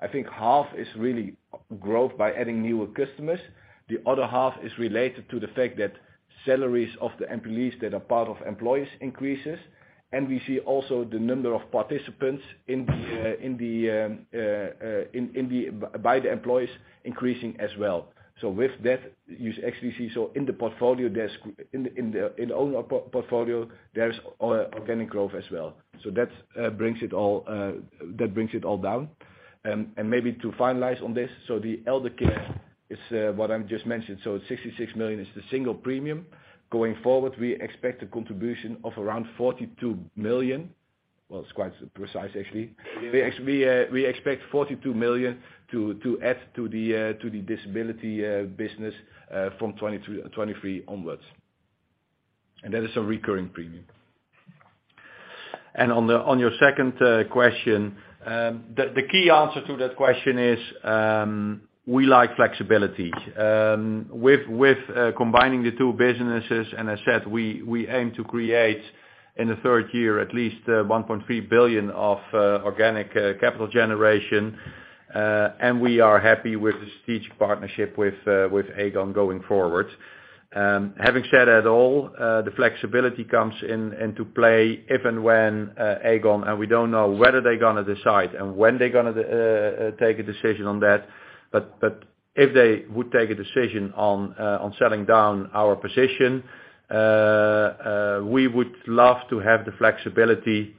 I think half is really growth by adding newer customers. The other half is related to the fact that salaries of the employees that are part of employees increases. We see also the number of participants in the by the employees increasing as well. With that, you actually see, in the portfolio, in all our portfolio, there's organic growth as well. That brings it all, that brings it all down. Maybe to finalize on this, the elder care is what I just mentioned. 66 million is the single premium. Going forward, we expect a contribution of around 42 million. Well, it's quite precise actually. We expect 42 million to add to the disability business from 2023 onwards. That is a recurring premium. On your second question, the key answer to that question is we like flexibility. With combining the two businesses, and I said, we aim to create in the third year at least 1.3 billion of organic capital generation. We are happy with the strategic partnership with Aegon going forward. Having said that all, the flexibility comes into play if and when Aegon, we don't know whether they're gonna decide and when they're gonna take a decision on that. If they would take a decision on selling down our position, we would love to have the flexibility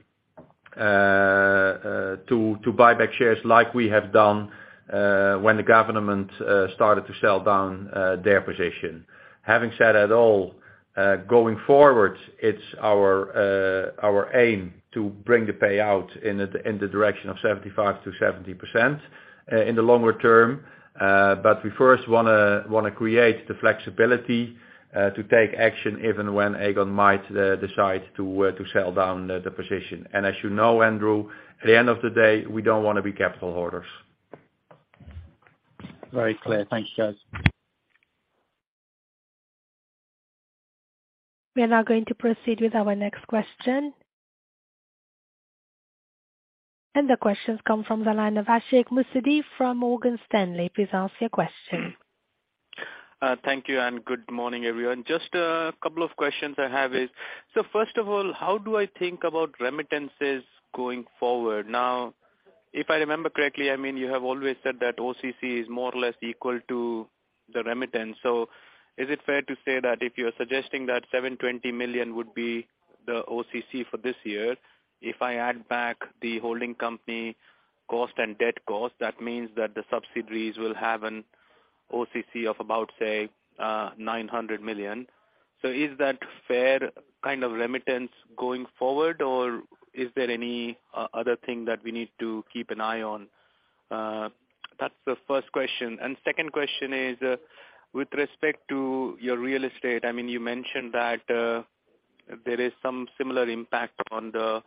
to buy back shares like we have done when the government started to sell down their position. Having said that all, going forward, it's our aim to bring the payout in the direction of 75%-70% in the longer term. We first wanna create the flexibility to take action even when Aegon might decide to sell down the position. As you know, Andrew, at the end of the day, we don't wanna be capital holders. Very clear. Thank you, Jos. We are now going to proceed with our next question. The question comes from the line of Ashik Musaddi from Morgan Stanley. Please ask your question. Thank you, good morning, everyone. Just a couple of questions I have is, first of all, how do I think about remittances going forward? If I remember correctly, I mean, you have always said that OCC is more or less equal to the remittance. Is it fair to say that if you're suggesting that 720 million would be the OCC for this year, if I add back the holding company cost and debt cost, that means that the subsidiaries will have an OCC of about, say, 900 million. Is that fair kind of remittance going forward, or is there any other thing that we need to keep an eye on? That's the first question. Second question is, with respect to your real estate, I mean, you mentioned that there is some similar impact on the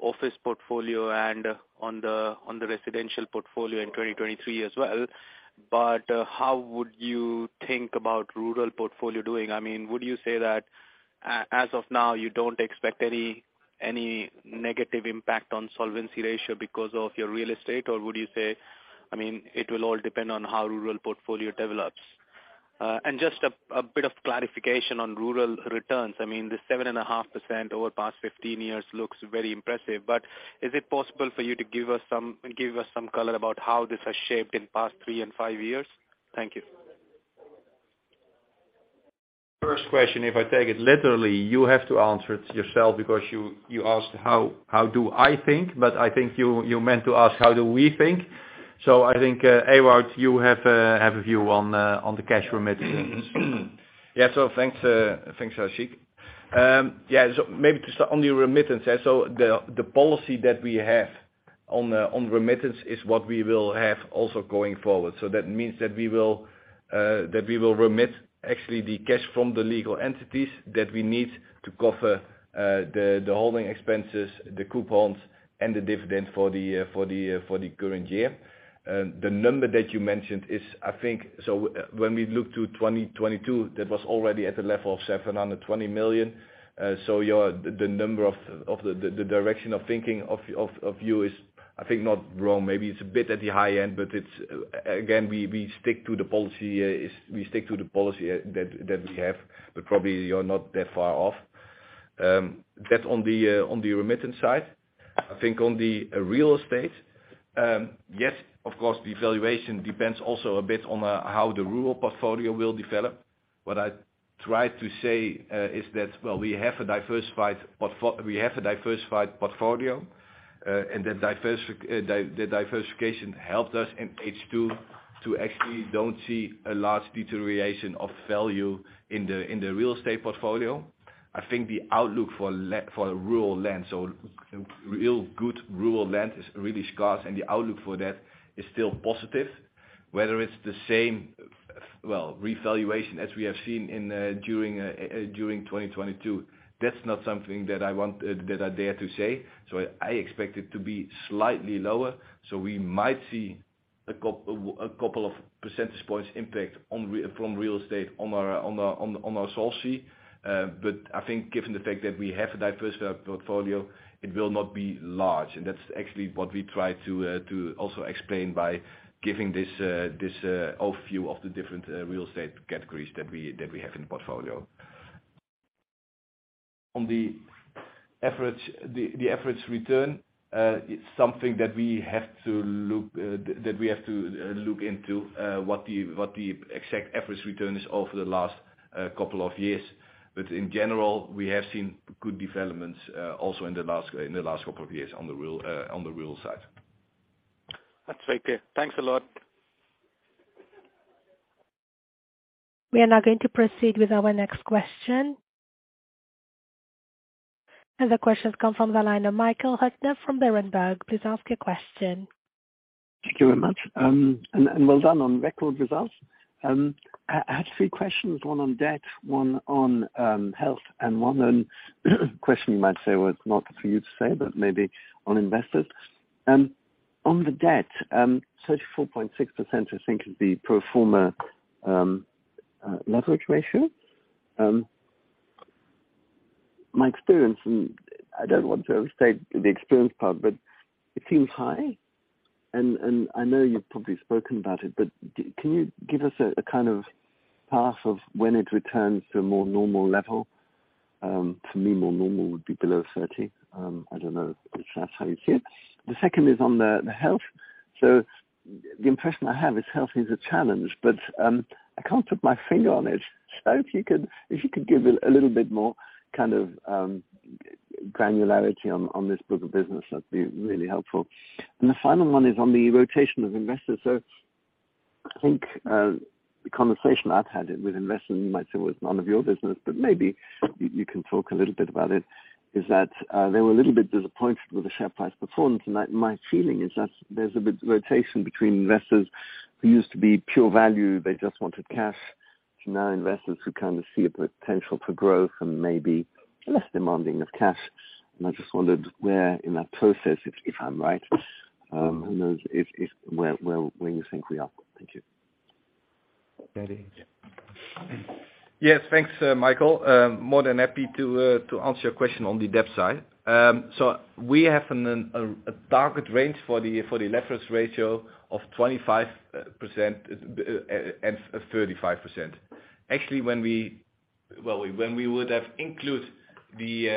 office portfolio and on the residential portfolio in 2023 as well. How would you think about rural portfolio doing? I mean, would you say that as of now, you don't expect any negative impact on solvency ratio because of your real estate? Would you say, I mean, it will all depend on how rural portfolio develops. Just a bit of clarification on rural returns. I mean, the 7.5% over past 15 years looks very impressive, but is it possible for you to give us some color about how this has shaped in past three and five years? Thank you. If I take it literally, you have to answer it yourself because you asked how do I think, but I think you meant to ask how do we think. I think, Ewout, you have a view on the cash remittances. Yeah. Thanks, thanks, Ashik. Yeah, maybe just on the remittance. The policy that we have on remittance is what we will have also going forward. That means that we will remit actually the cash from the legal entities that we need to cover the holding expenses, the coupons and the dividends for the current year. The number that you mentioned is, I think. When we look to 2022, that was already at a level of 720 million. Your, the number of the direction of thinking of you is, I think, not wrong. Maybe it's a bit at the high end. It's again, we stick to the policy that we have, but probably you're not that far off. That's on the remittance side. I think on the real estate, yes, of course, the valuation depends also a bit on how the rural portfolio will develop. What I try to say, well, we have a diversified portfolio. The diversification helped us in H2 to actually don't see a large deterioration of value in the real estate portfolio. I think the outlook for rural land. Real good rural land is really scarce. The outlook for that is still positive. Whether it's the same, well, revaluation as we have seen during 2022, that's not something that I want, that I dare to say. I expect it to be slightly lower. We might see a couple of percentage points impact from real estate on our sources. But I think given the fact that we have a diversified portfolio, it will not be large. And that's actually what we try to also explain by giving this overview of the different real estate categories that we have in the portfolio. On the average, the average return, is something that we have to look, that we have to look into, what the exact average return is over the last couple of years. In general, we have seen good developments, also in the last couple of years on the real, on the real side. That's great. Yeah. Thanks a lot. We are now going to proceed with our next question. The question comes from the line of Michael Huttner from Berenberg. Please ask your question. Thank you very much. And well done on record results. I have three questions, one on debt, one on health, and one on, question you might say was not for you to say, but maybe on investors. On the debt, 34.6%, I think is the pro forma leverage ratio. My experience, and I don't want to overstate the experience part, but it seems high, and I know you've probably spoken about it, but can you give us a kind of path of when it returns to a more normal level? To me, more normal would be below 30. I don't know if that's how you see it. The second is on the health. The impression I have is health is a challenge, but I can't put my finger on it. If you could give a little bit more kind of granularity on this book of business, that'd be really helpful. The final one is on the rotation of investors. I think the conversation I've had with investors, you might say it was none of your business, but maybe you can talk a little bit about it, is that they were a little bit disappointed with the share price performance. My feeling is that there's a bit rotation between investors who used to be pure value, they just wanted cash. To now investors who kind of see a potential for growth and maybe less demanding of cash. I just wondered where in that process, if I'm right, and those is where you think we are. Thank you. Yes. Thanks, Michael. More than happy to answer your question on the debt side. We have a target range for the leverage ratio of 25% and of 35%. Actually, when we include the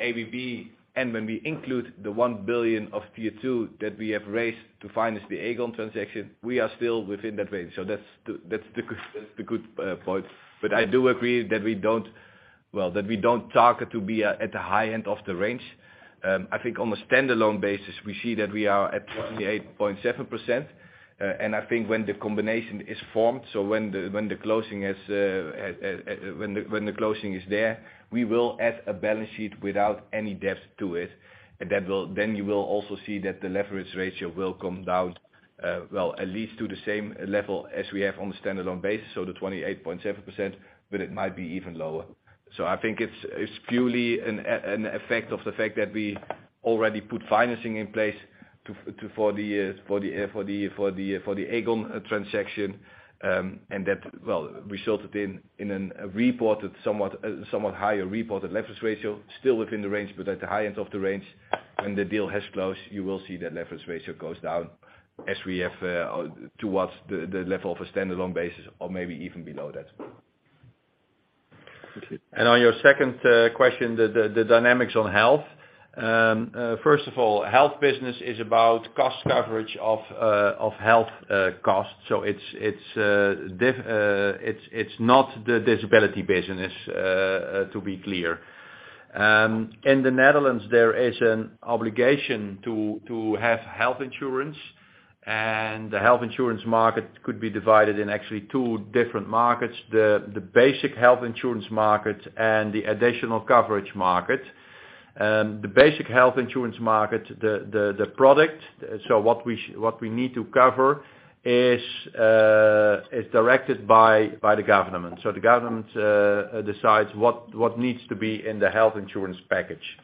ABB, and when we include the 1 billion of Tier 2 that we have raised to finance the Aegon transaction, we are still within that range. That's the good point. I do agree that we don't, well, that we don't target to be at the high end of the range. I think on a standalone basis, we see that we are at 28.7%. I think when the combination is formed, so when the closing is there, we will add a balance sheet without any debt to it. You will also see that the leverage ratio will come down, well, at least to the same level as we have on the standalone base, so the 28.7%, but it might be even lower. I think it's purely an effect of the fact that we already put financing in place to for the Aegon transaction, and that, well, resulted in a reported somewhat higher reported leverage ratio, still within the range, but at the high end of the range. When the deal has closed, you will see that leverage ratio goes down as we have towards the level of a standalone basis or maybe even below that. Thank you. On your second question, the dynamics on health. First of all, health business is about cost coverage of health costs. It's not the disability business to be clear. In the Netherlands, there is an obligation to have health insurance, and the health insurance market could be divided in actually two different markets, the basic health insurance market and the additional coverage market. The basic health insurance market, the product, what we need to cover is directed by the government. The government decides what needs to be in the health insurance package.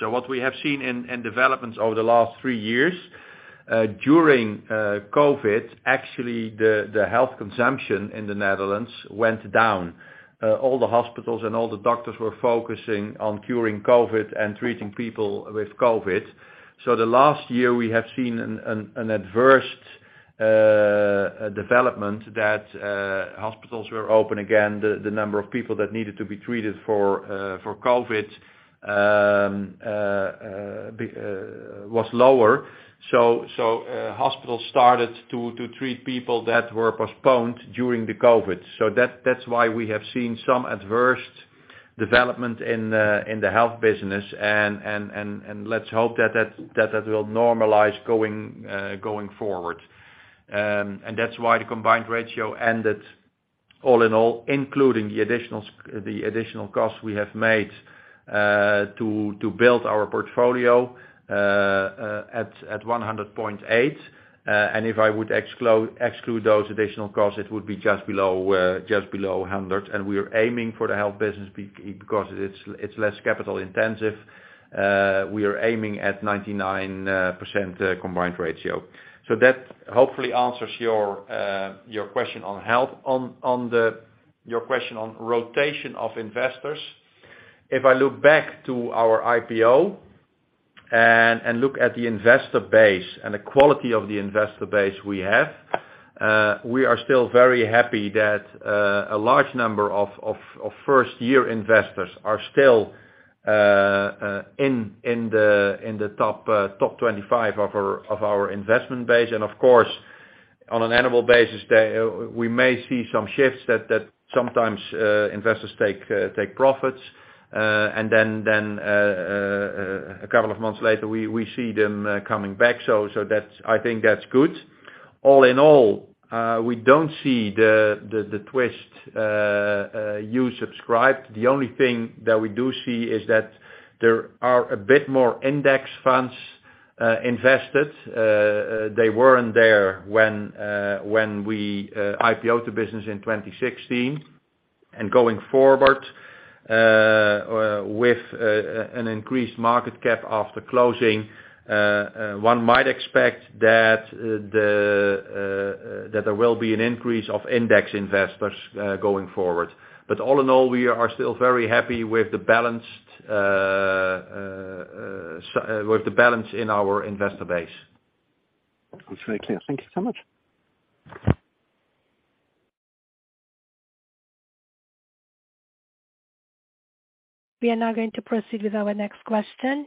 What we have seen in developments over the last three years, during COVID, actually the health consumption in the Netherlands went down. All the hospitals and all the doctors were focusing on curing COVID and treating people with COVID. The last year we have seen an adverse development that hospitals were open again, the number of people that needed to be treated for COVID was lower. Hospitals started to treat people that were postponed during the COVID. That's why we have seen some adverse development in the health business and let's hope that will normalize going forward. That's why the combined ratio ended all in all, including the additional costs we have made to build our portfolio at 100.8. If I would exclude those additional costs, it would be just below 100. We are aiming for the health business because it's less capital intensive. We are aiming at 99% combined ratio. That hopefully answers your question on health. On the... Your question on rotation of investors. If I look back to our IPO and look at the investor base and the quality of the investor base we have, we are still very happy that a large number of first year investors are still in the top 25 of our investment base. Of course, on an annual basis, they, we may see some shifts that sometimes investors take profits. Then a couple of months later, we see them coming back. That's I think that's good. All in all, we don't see the twist you subscribed. The only thing that we do see is that there are a bit more index funds invested. They weren't there when we IPO the business in 2016. Going forward with an increased market cap after closing, one might expect that there will be an increase of index investors going forward. All in all, we are still very happy with the balanced with the balance in our investor base. That's very clear. Thank you so much. We are now going to proceed with our next question.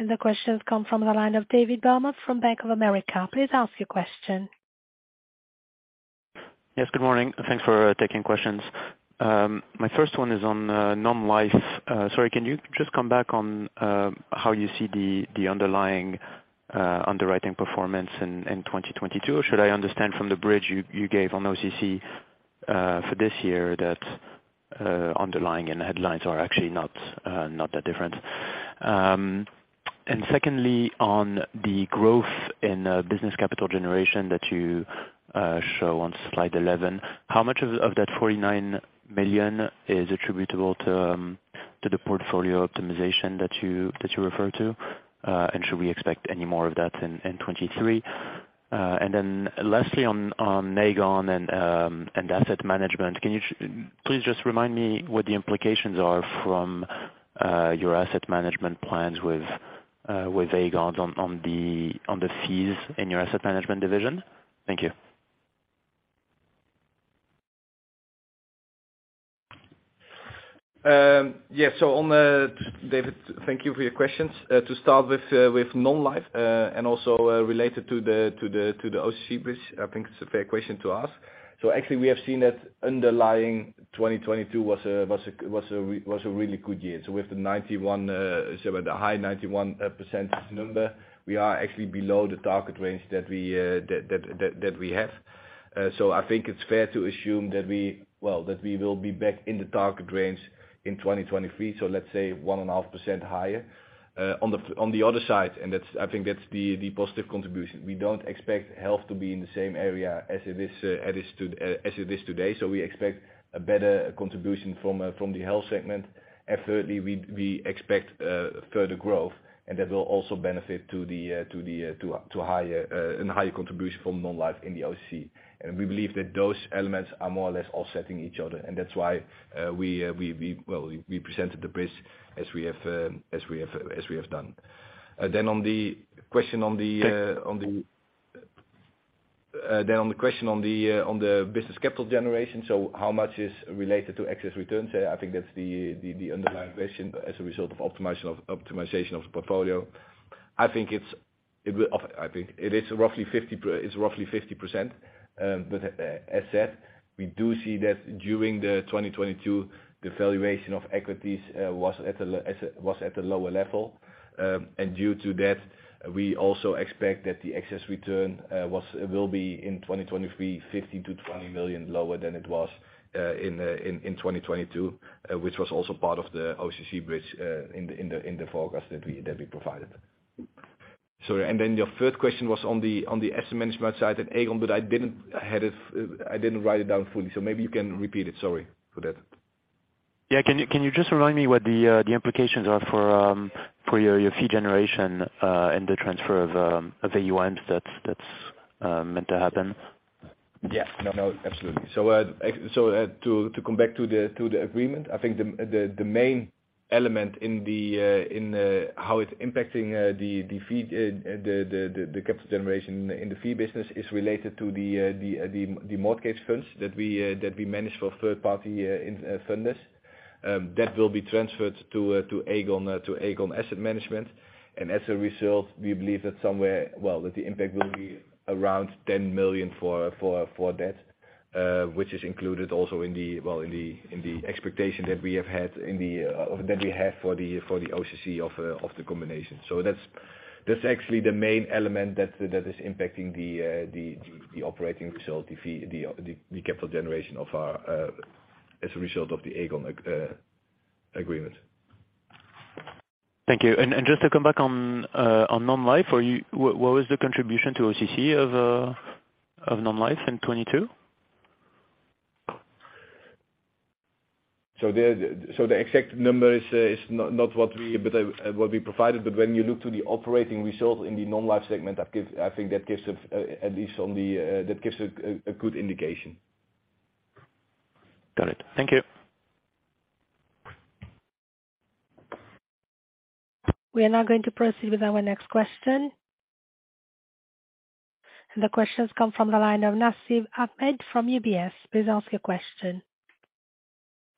The question has come from the line of David Barma from Bank of America. Please ask your question. Yes, good morning. Thanks for taking questions. My first one is on non-life. Sorry, can you just come back on how you see the underlying underwriting performance in 2022? Should I understand from the bridge you gave on OCC for this year that underlying and headlines are actually not that different? Secondly, on the growth in business capital generation that you show on slide 11, how much of that 49 million is attributable to the portfolio optimization that you refer to? Should we expect any more of that in 2023? Then lastly on Aegon and asset management, can you please just remind me what the implications are from your asset management plans with Aegon on the fees in your asset management division? Thank you. Yeah. On the... David, thank you for your questions. To start with non-life, and also related to the OCC bridge, I think it's a fair question to ask. Actually we have seen that underlying 2022 was a really good year. With the 91%, so the high 91% number, we are actually below the target range that we have. I think it's fair to assume that we, well, that we will be back in the target range in 2023. Let's say 1.5% higher. On the other side, and that's, I think that's the positive contribution. We don't expect health to be in the same area as it is, as it stood, as it is today. We expect a better contribution from the health segment. Thirdly, we expect further growth and that will also benefit to the to the to higher in higher contribution from non-life in the OCC. We believe that those elements are more or less offsetting each other. That's why we, well, we presented the bridge as we have, as we have, as we have done. On the question on the on the... On the question on the business capital generation, so how much is related to excess returns, I think that's the underlying question as a result of optimization of the portfolio. I think it is roughly 50%. As said, we do see that during 2022, the valuation of equities was at a lower level. Due to that we also expect that the excess return will be in 2023, 50 million-20 million lower than it was in 2022, which was also part of the OCC bridge in the forecast that we provided. Sorry. Your third question was on the asset management side at Aegon. I didn't have it. I didn't write it down fully. Maybe you can repeat it. Sorry for that. Yeah, can you just remind me what the implications are for your fee generation and the transfer of AUM that's meant to happen? Yeah. No, no, absolutely. So, to come back to the agreement, I think the main element in how it's impacting the fee, the capital generation in the fee business is related to the mortgage funds that we manage for third party funders. That will be transferred to Aegon, to Aegon Asset Management. As a result, we believe that somewhere, that the impact will be around 10 million for that, which is included also in the expectation that we have had in that we have for the OCC of the combination. That's actually the main element that is impacting the operating result, the fee, the capital generation of our, as a result of the Aegon agreement. Thank you. Just to come back on non-life, what was the contribution to OCC of non-life in 2022? The exact number is not what we, but what we provided. When you look to the operating result in the non-life segment, that gives, I think, a, at least on the, that gives a good indication. Got it. Thank it. We are now going to proceed with our next question. The questions come from the line of Nasib Ahmed from UBS. Please ask your question.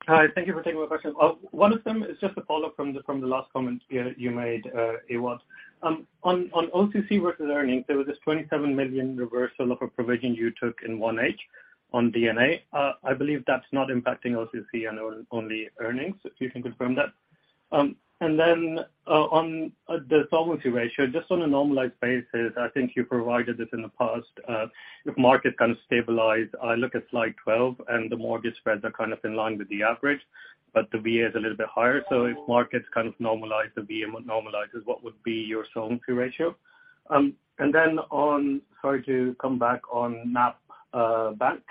Hi. Thank you for taking my question. One of them is just a follow-up from the last comment, Pieter, you made, Ewout. On OCC versus earnings, there was this 27 million reversal of a provision you took in 1H on DNA. I believe that's not impacting OCC and on the earnings, if you can confirm that. Then on the solvency ratio, just on a normalized basis, I think you provided this in the past. If markets kind of stabilize, I look at slide 12 and the mortgage spreads are kind of in line with the average, but the VA is a little bit higher. If markets kind of normalize, the VA normalizes, what would be your solvency ratio? Then on, sorry to come back on MAP Bank.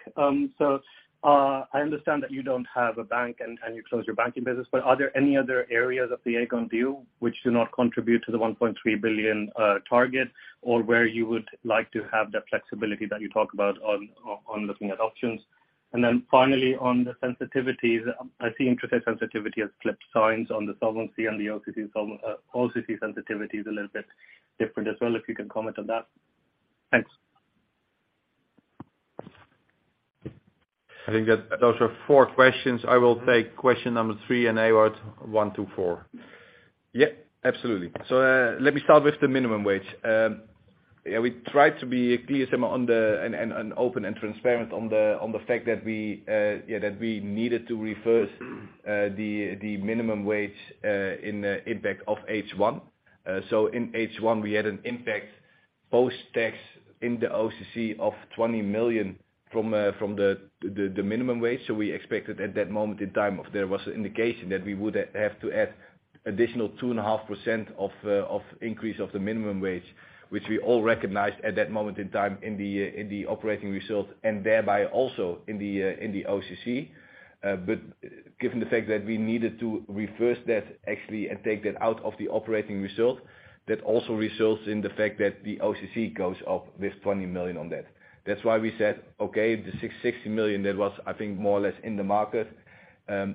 I understand that you don't have a bank and you closed your banking business, but are there any other areas of the Aegon deal which do not contribute to the 1.3 billion target, or where you would like to have the flexibility that you talk about on looking at options? Finally, on the sensitivities, I see interest rate sensitivity has flipped signs on the solvency and the OCC sensitivity is a little bit different as well, if you can comment on that. Thanks. I think that those are four questions. I will take question number three and Ewout one to four. Yeah, absolutely. Let me start with the minimum wage. Yeah, we try to be clear, Sam, on the, and open and transparent on the, on the fact that we, that we needed to reverse the minimum wage in the impact of H1. In H1, we had an impact post-tax in the OCC of 20 million from the minimum wage. We expected at that moment in time there was an indication that we would have to add Additional 2.5% of increase of the minimum wage, which we all recognized at that moment in time in the operating results, and thereby also in the OCC. But given the fact that we needed to reverse that actually and take that out of the operating result, that also results in the fact that the OCC goes up with 20 million on that. That's why we said, okay, the 60 million that was, I think, more or less in the market,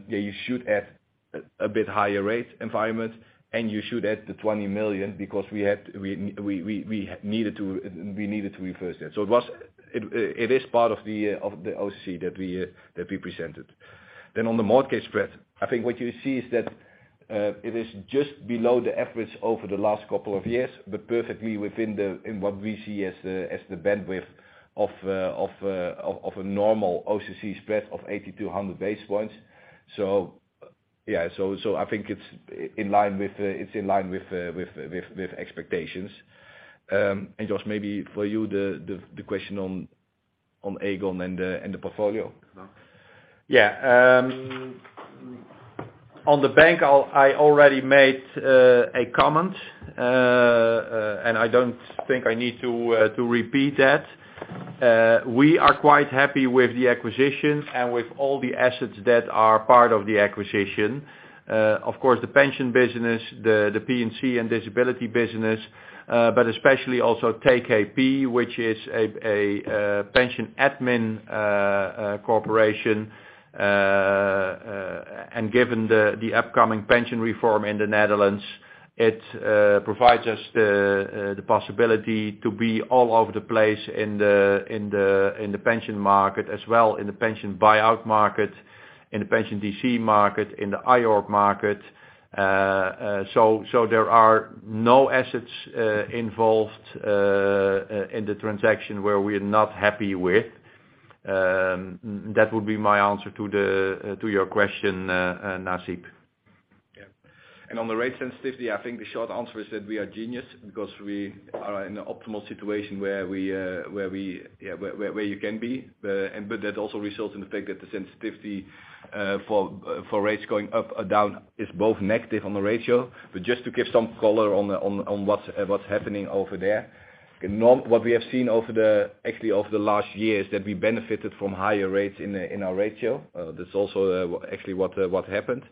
you should add a bit higher rate environment, and you should add the 20 million because we needed to reverse that. It is part of the OCC that we presented. On the mortgage spread, I think what you see is that it is just below the average over the last couple of years, but perfectly within what we see as the bandwidth of a normal OCC spread of 80 to 100 basis points. Yeah, I think it's in line with expectations. Jos, maybe for you, the question on Aegon and the portfolio. Yeah. On the bank, I already made a comment. I don't think I need to repeat that. We are quite happy with the acquisition and with all the assets that are part of the acquisition. Of course, the pension business, the P&C and disability business, but especially also KKP, which is a pension admin corporation. Given the upcoming pension reform in the Netherlands, it provides us the possibility to be all over the place in the pension market, as well, in the pension buyout market, in the pension DC market, in the IOR market. So there are no assets involved in the transaction where we're not happy with. That would be my answer to the, to your question, Nasib. Yeah. On the rate sensitivity, I think the short answer is that we are genius because we are in an optimal situation where we, where you can be. That also results in the fact that the sensitivity for rates going up or down is both negative on the ratio. Just to give some color on the what's happening over there. What we have seen actually over the last year is that we benefited from higher rates in our ratio. That's also actually what happened.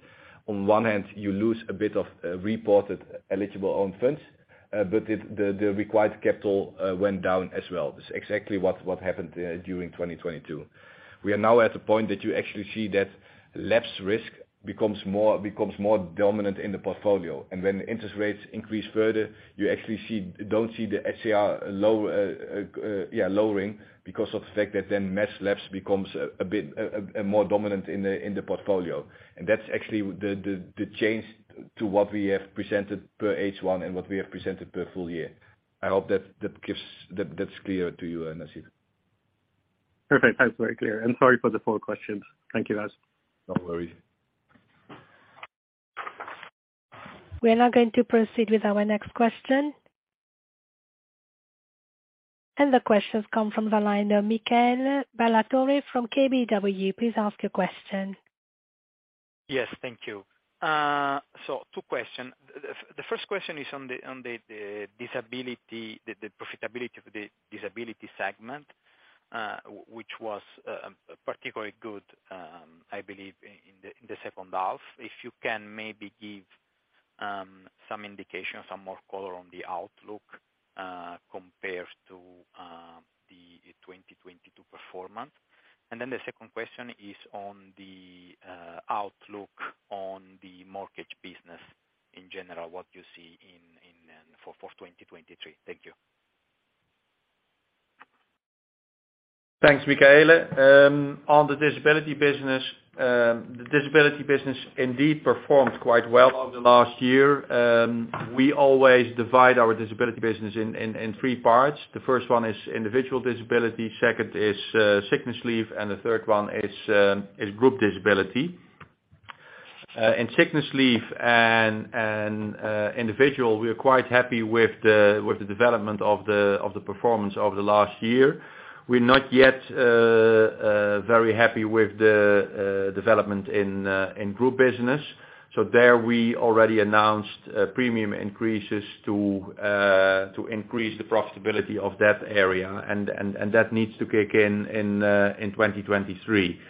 On one hand, you lose a bit of reported eligible own funds, but the required capital went down as well. That's exactly what happened during 2022. We are now at a point that you actually see that lapse risk becomes more dominant in the portfolio. When interest rates increase further, you actually don't see the SIR low lowering because of the fact that then mass lapse becomes a bit more dominant in the portfolio. That's actually the change to what we have presented per H1 and what we have presented per full year. I hope that's clear to you, Nasib. Perfect. That's very clear. Sorry for the four questions. Thank you, guys. No worries. We are now going to proceed with our next question. The question comes from the line of Michele Ballatore from KBW. Please ask your question. Yes. Thank you. 2 question. The first question is on the disability, the profitability of the disability segment, which was particularly good, I believe in the second half. If you can maybe give some indication, some more color on the outlook compared to the 2022 performance. The second question is on the outlook on the mortgage business in general, what you see in for 2023. Thank you. Thanks, Michele. On the disability business, the disability business indeed performed quite well over the last year. We always divide our disability business in 3 parts. The first one is individual disability, second is sickness leave, and the third one is group disability. In sickness leave and individual, we are quite happy with the development of the performance over the last year. We're not yet very happy with the development in group business. There we already announced premium increases to increase the profitability of that area and that needs to kick in in 2023.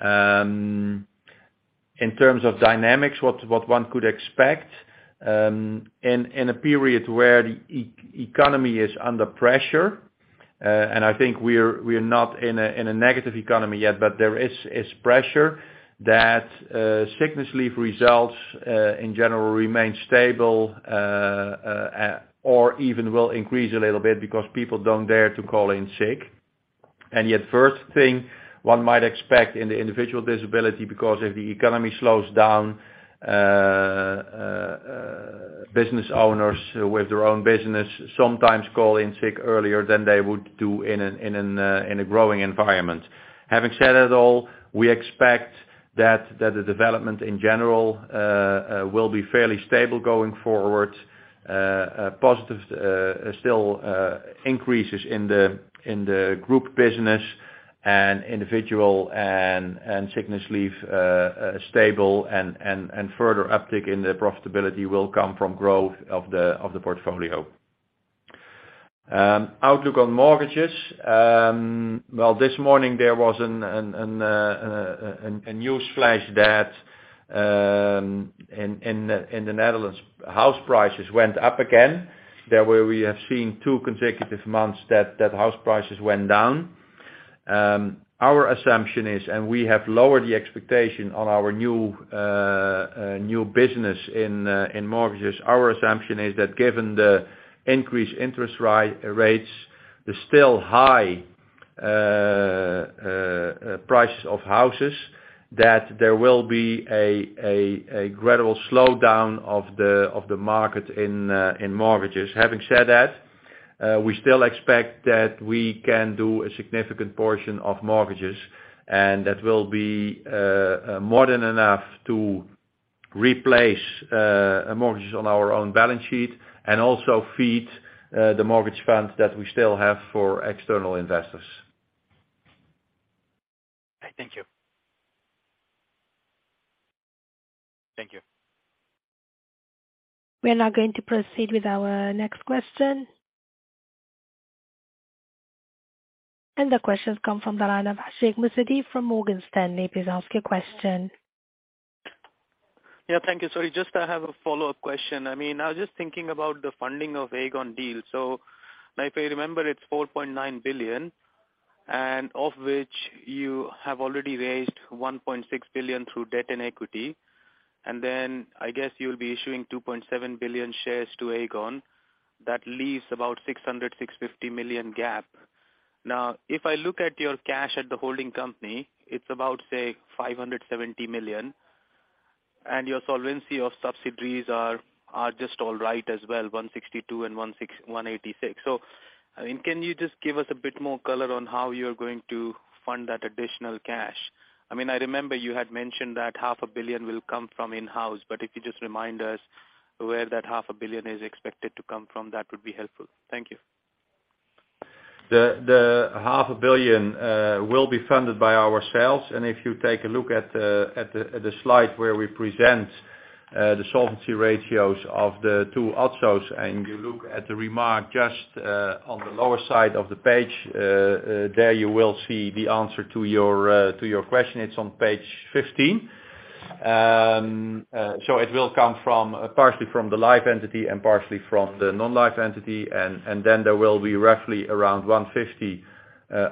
In terms of dynamics, what one could expect, in a period where the economy is under pressure, and I think we're not in a negative economy yet, but there is pressure that sickness leave results in general remain stable or even will increase a little bit because people don't dare to call in sick. The adverse thing one might expect in the individual disability, because if the economy slows down, business owners with their own business sometimes call in sick earlier than they would do in a growing environment. Having said that, all we expect that the development in general will be fairly stable going forward. Positive, still increases in the group business. Individual and sickness leave stable and further uptick in the profitability will come from growth of the portfolio. Outlook on mortgages. Well, this morning there was a newsflash that in the Netherlands, house prices went up again. There where we have seen two consecutive months that house prices went down. Our assumption is, and we have lowered the expectation on our new business in mortgages. Our assumption is that given the increased interest rates, the still high price of houses, that there will be a gradual slowdown of the market in mortgages. Having said that, we still expect that we can do a significant portion of mortgages, and that will be more than enough to replace mortgages on our own balance sheet and also feed the mortgage funds that we still have for external investors. Thank you. Thank you. We are now going to proceed with our next question. The question comes from the line of Hadley Cohen from Morgan Stanley. Please ask your question. Yeah, thank you. Sorry, just I have a follow-up question. I mean, I was just thinking about the funding of Aegon deal. If I remember, it's 4.9 billion, of which you have already raised 1.6 billion through debt and equity. Then I guess you'll be issuing 2.7 billion shares to Aegon. That leaves about 600 million-650 million gap. Now, if I look at your cash at the holding company, it's about, say, 570 million, and your solvency of subsidiaries are just all right as well, 162 and 186. I mean, can you just give us a bit more color on how you're going to fund that additional cash? I mean, I remember you had mentioned that half a billion will come from in-house, but if you just remind us where that half a billion is expected to come from, that would be helpful. Thank you. The EUR half a billion will be funded by ourselves. If you take a look at the slide where we present the solvency ratios of the two in. If you look at the remark just on the lower side of the page, there you will see the answer to your question. It's on page 15. It will come from, partially from the live entity and partially from the non-life entity. Then there will be roughly around 150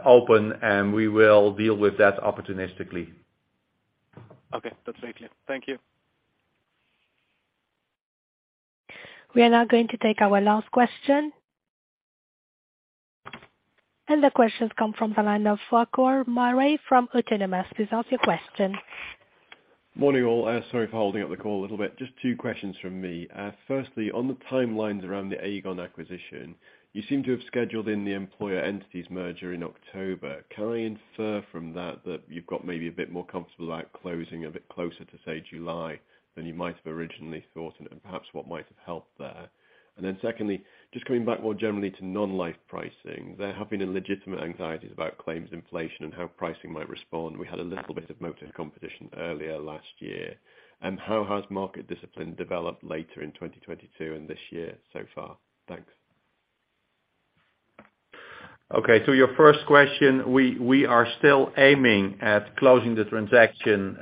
open, and we will deal with that opportunistically. Okay. That's very clear. Thank you. We are now going to take our last question. The question comes from the line of Farquhar Murray from Autonomous Research. Please ask your question. Morning, all. Sorry for holding up the call a little bit. Just two questions from me. Firstly, on the timelines around the Aegon acquisition, you seem to have scheduled in the employer entities merger in October. Can I infer from that you've got maybe a bit more comfortable about closing a bit closer to say, July, than you might have originally thought, and perhaps what might have helped there? Secondly, just coming back more generally to non-life pricing, there have been legitimate anxieties about claims inflation and how pricing might respond. We had a little bit of motor competition earlier last year. How has market discipline developed later in 2022 and this year so far? Thanks. Okay. Your first question, we are still aiming at closing the transaction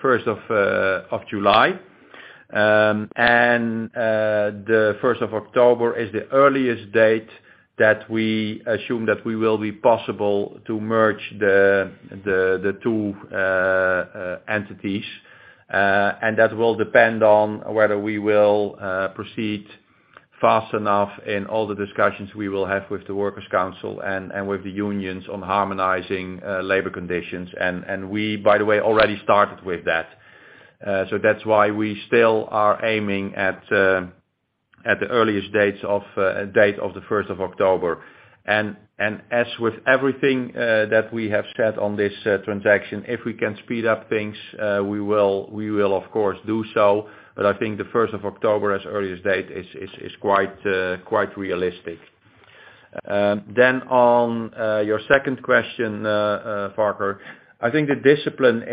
first of July. And the first of October is the earliest date that we assume that we will be possible to merge the two entities. And that will depend on whether we will proceed fast enough in all the discussions we will have with the workers council and with the unions on harmonizing labor conditions. And we, by the way, already started with that. So that's why we still are aiming at the earliest date of the first of October. And as with everything that we have said on this transaction, if we can speed up things, we will, we will of course do so. I think the first of October as earliest date is quite realistic. Then on your second question, Farquhar. I think the discipline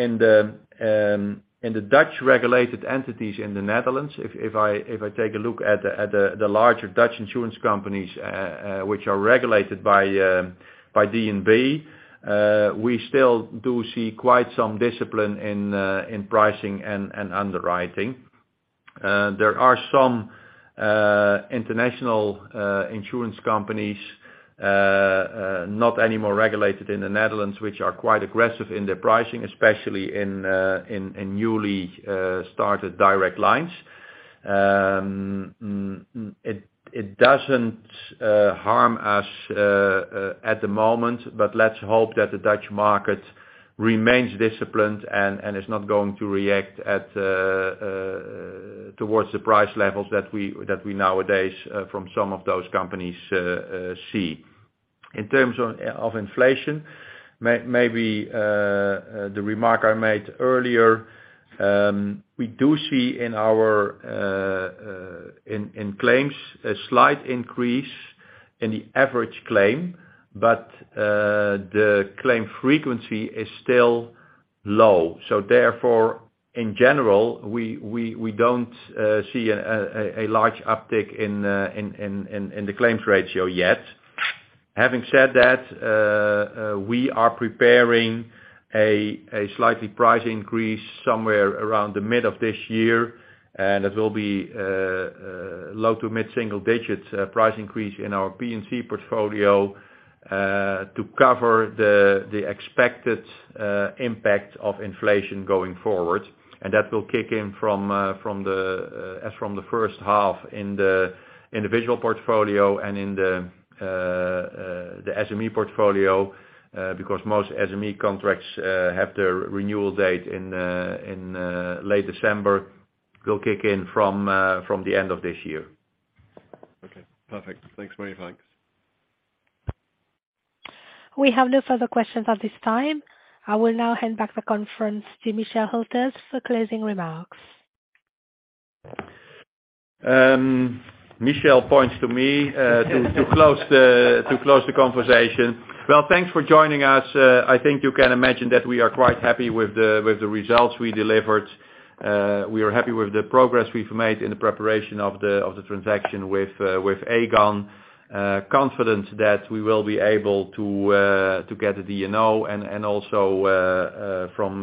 in the Dutch regulated entities in the Netherlands, if I take a look at the larger Dutch insurance companies, which are regulated by DNB, we still do see quite some discipline in pricing and underwriting. There are some international insurance companies, not anymore regulated in the Netherlands, which are quite aggressive in their pricing, especially in newly started direct lines. It doesn't harm us at the moment. Let's hope that the Dutch market remains disciplined and is not going to react towards the price levels that we nowadays from some of those companies see. In terms of inflation, maybe the remark I made earlier, we do see in our claims, a slight increase in the average claim, but the claim frequency is still low. Therefore, in general, we don't see a large uptick in the claims ratio yet. Having said that, we are preparing a slightly price increase somewhere around the mid of this year, and it will be low to mid single digits price increase in our P&C portfolio, to cover the expected impact of inflation going forward. That will kick in from the as from the first half in the individual portfolio and in the SME portfolio, because most SME contracts have their renewal date in late December, will kick in from the end of this year. Okay. Perfect. Thanks very much. We have no further questions at this time. I will now hand back the conference to Michel Hülters for closing remarks. Michel points to me to close the conversation. Well, thanks for joining us. I think you can imagine that we are quite happy with the results we delivered. We are happy with the progress we've made in the preparation of the transaction with Aegon. Confidence that we will be able to get the DNO and also from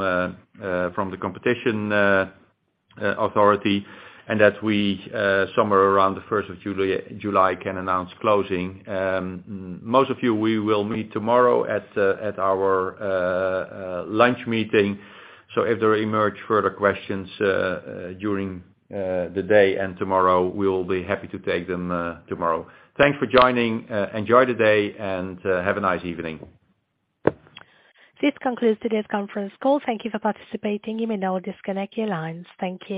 the competition authority, and that we somewhere around the 1st of July can announce closing. Most of you, we will meet tomorrow at our lunch meeting. If there emerge further questions during the day and tomorrow, we will be happy to take them tomorrow. Thanks for joining. Enjoy the day, and, have a nice evening. This concludes today's conference call. Thank you for participating. You may now disconnect your lines. Thank you.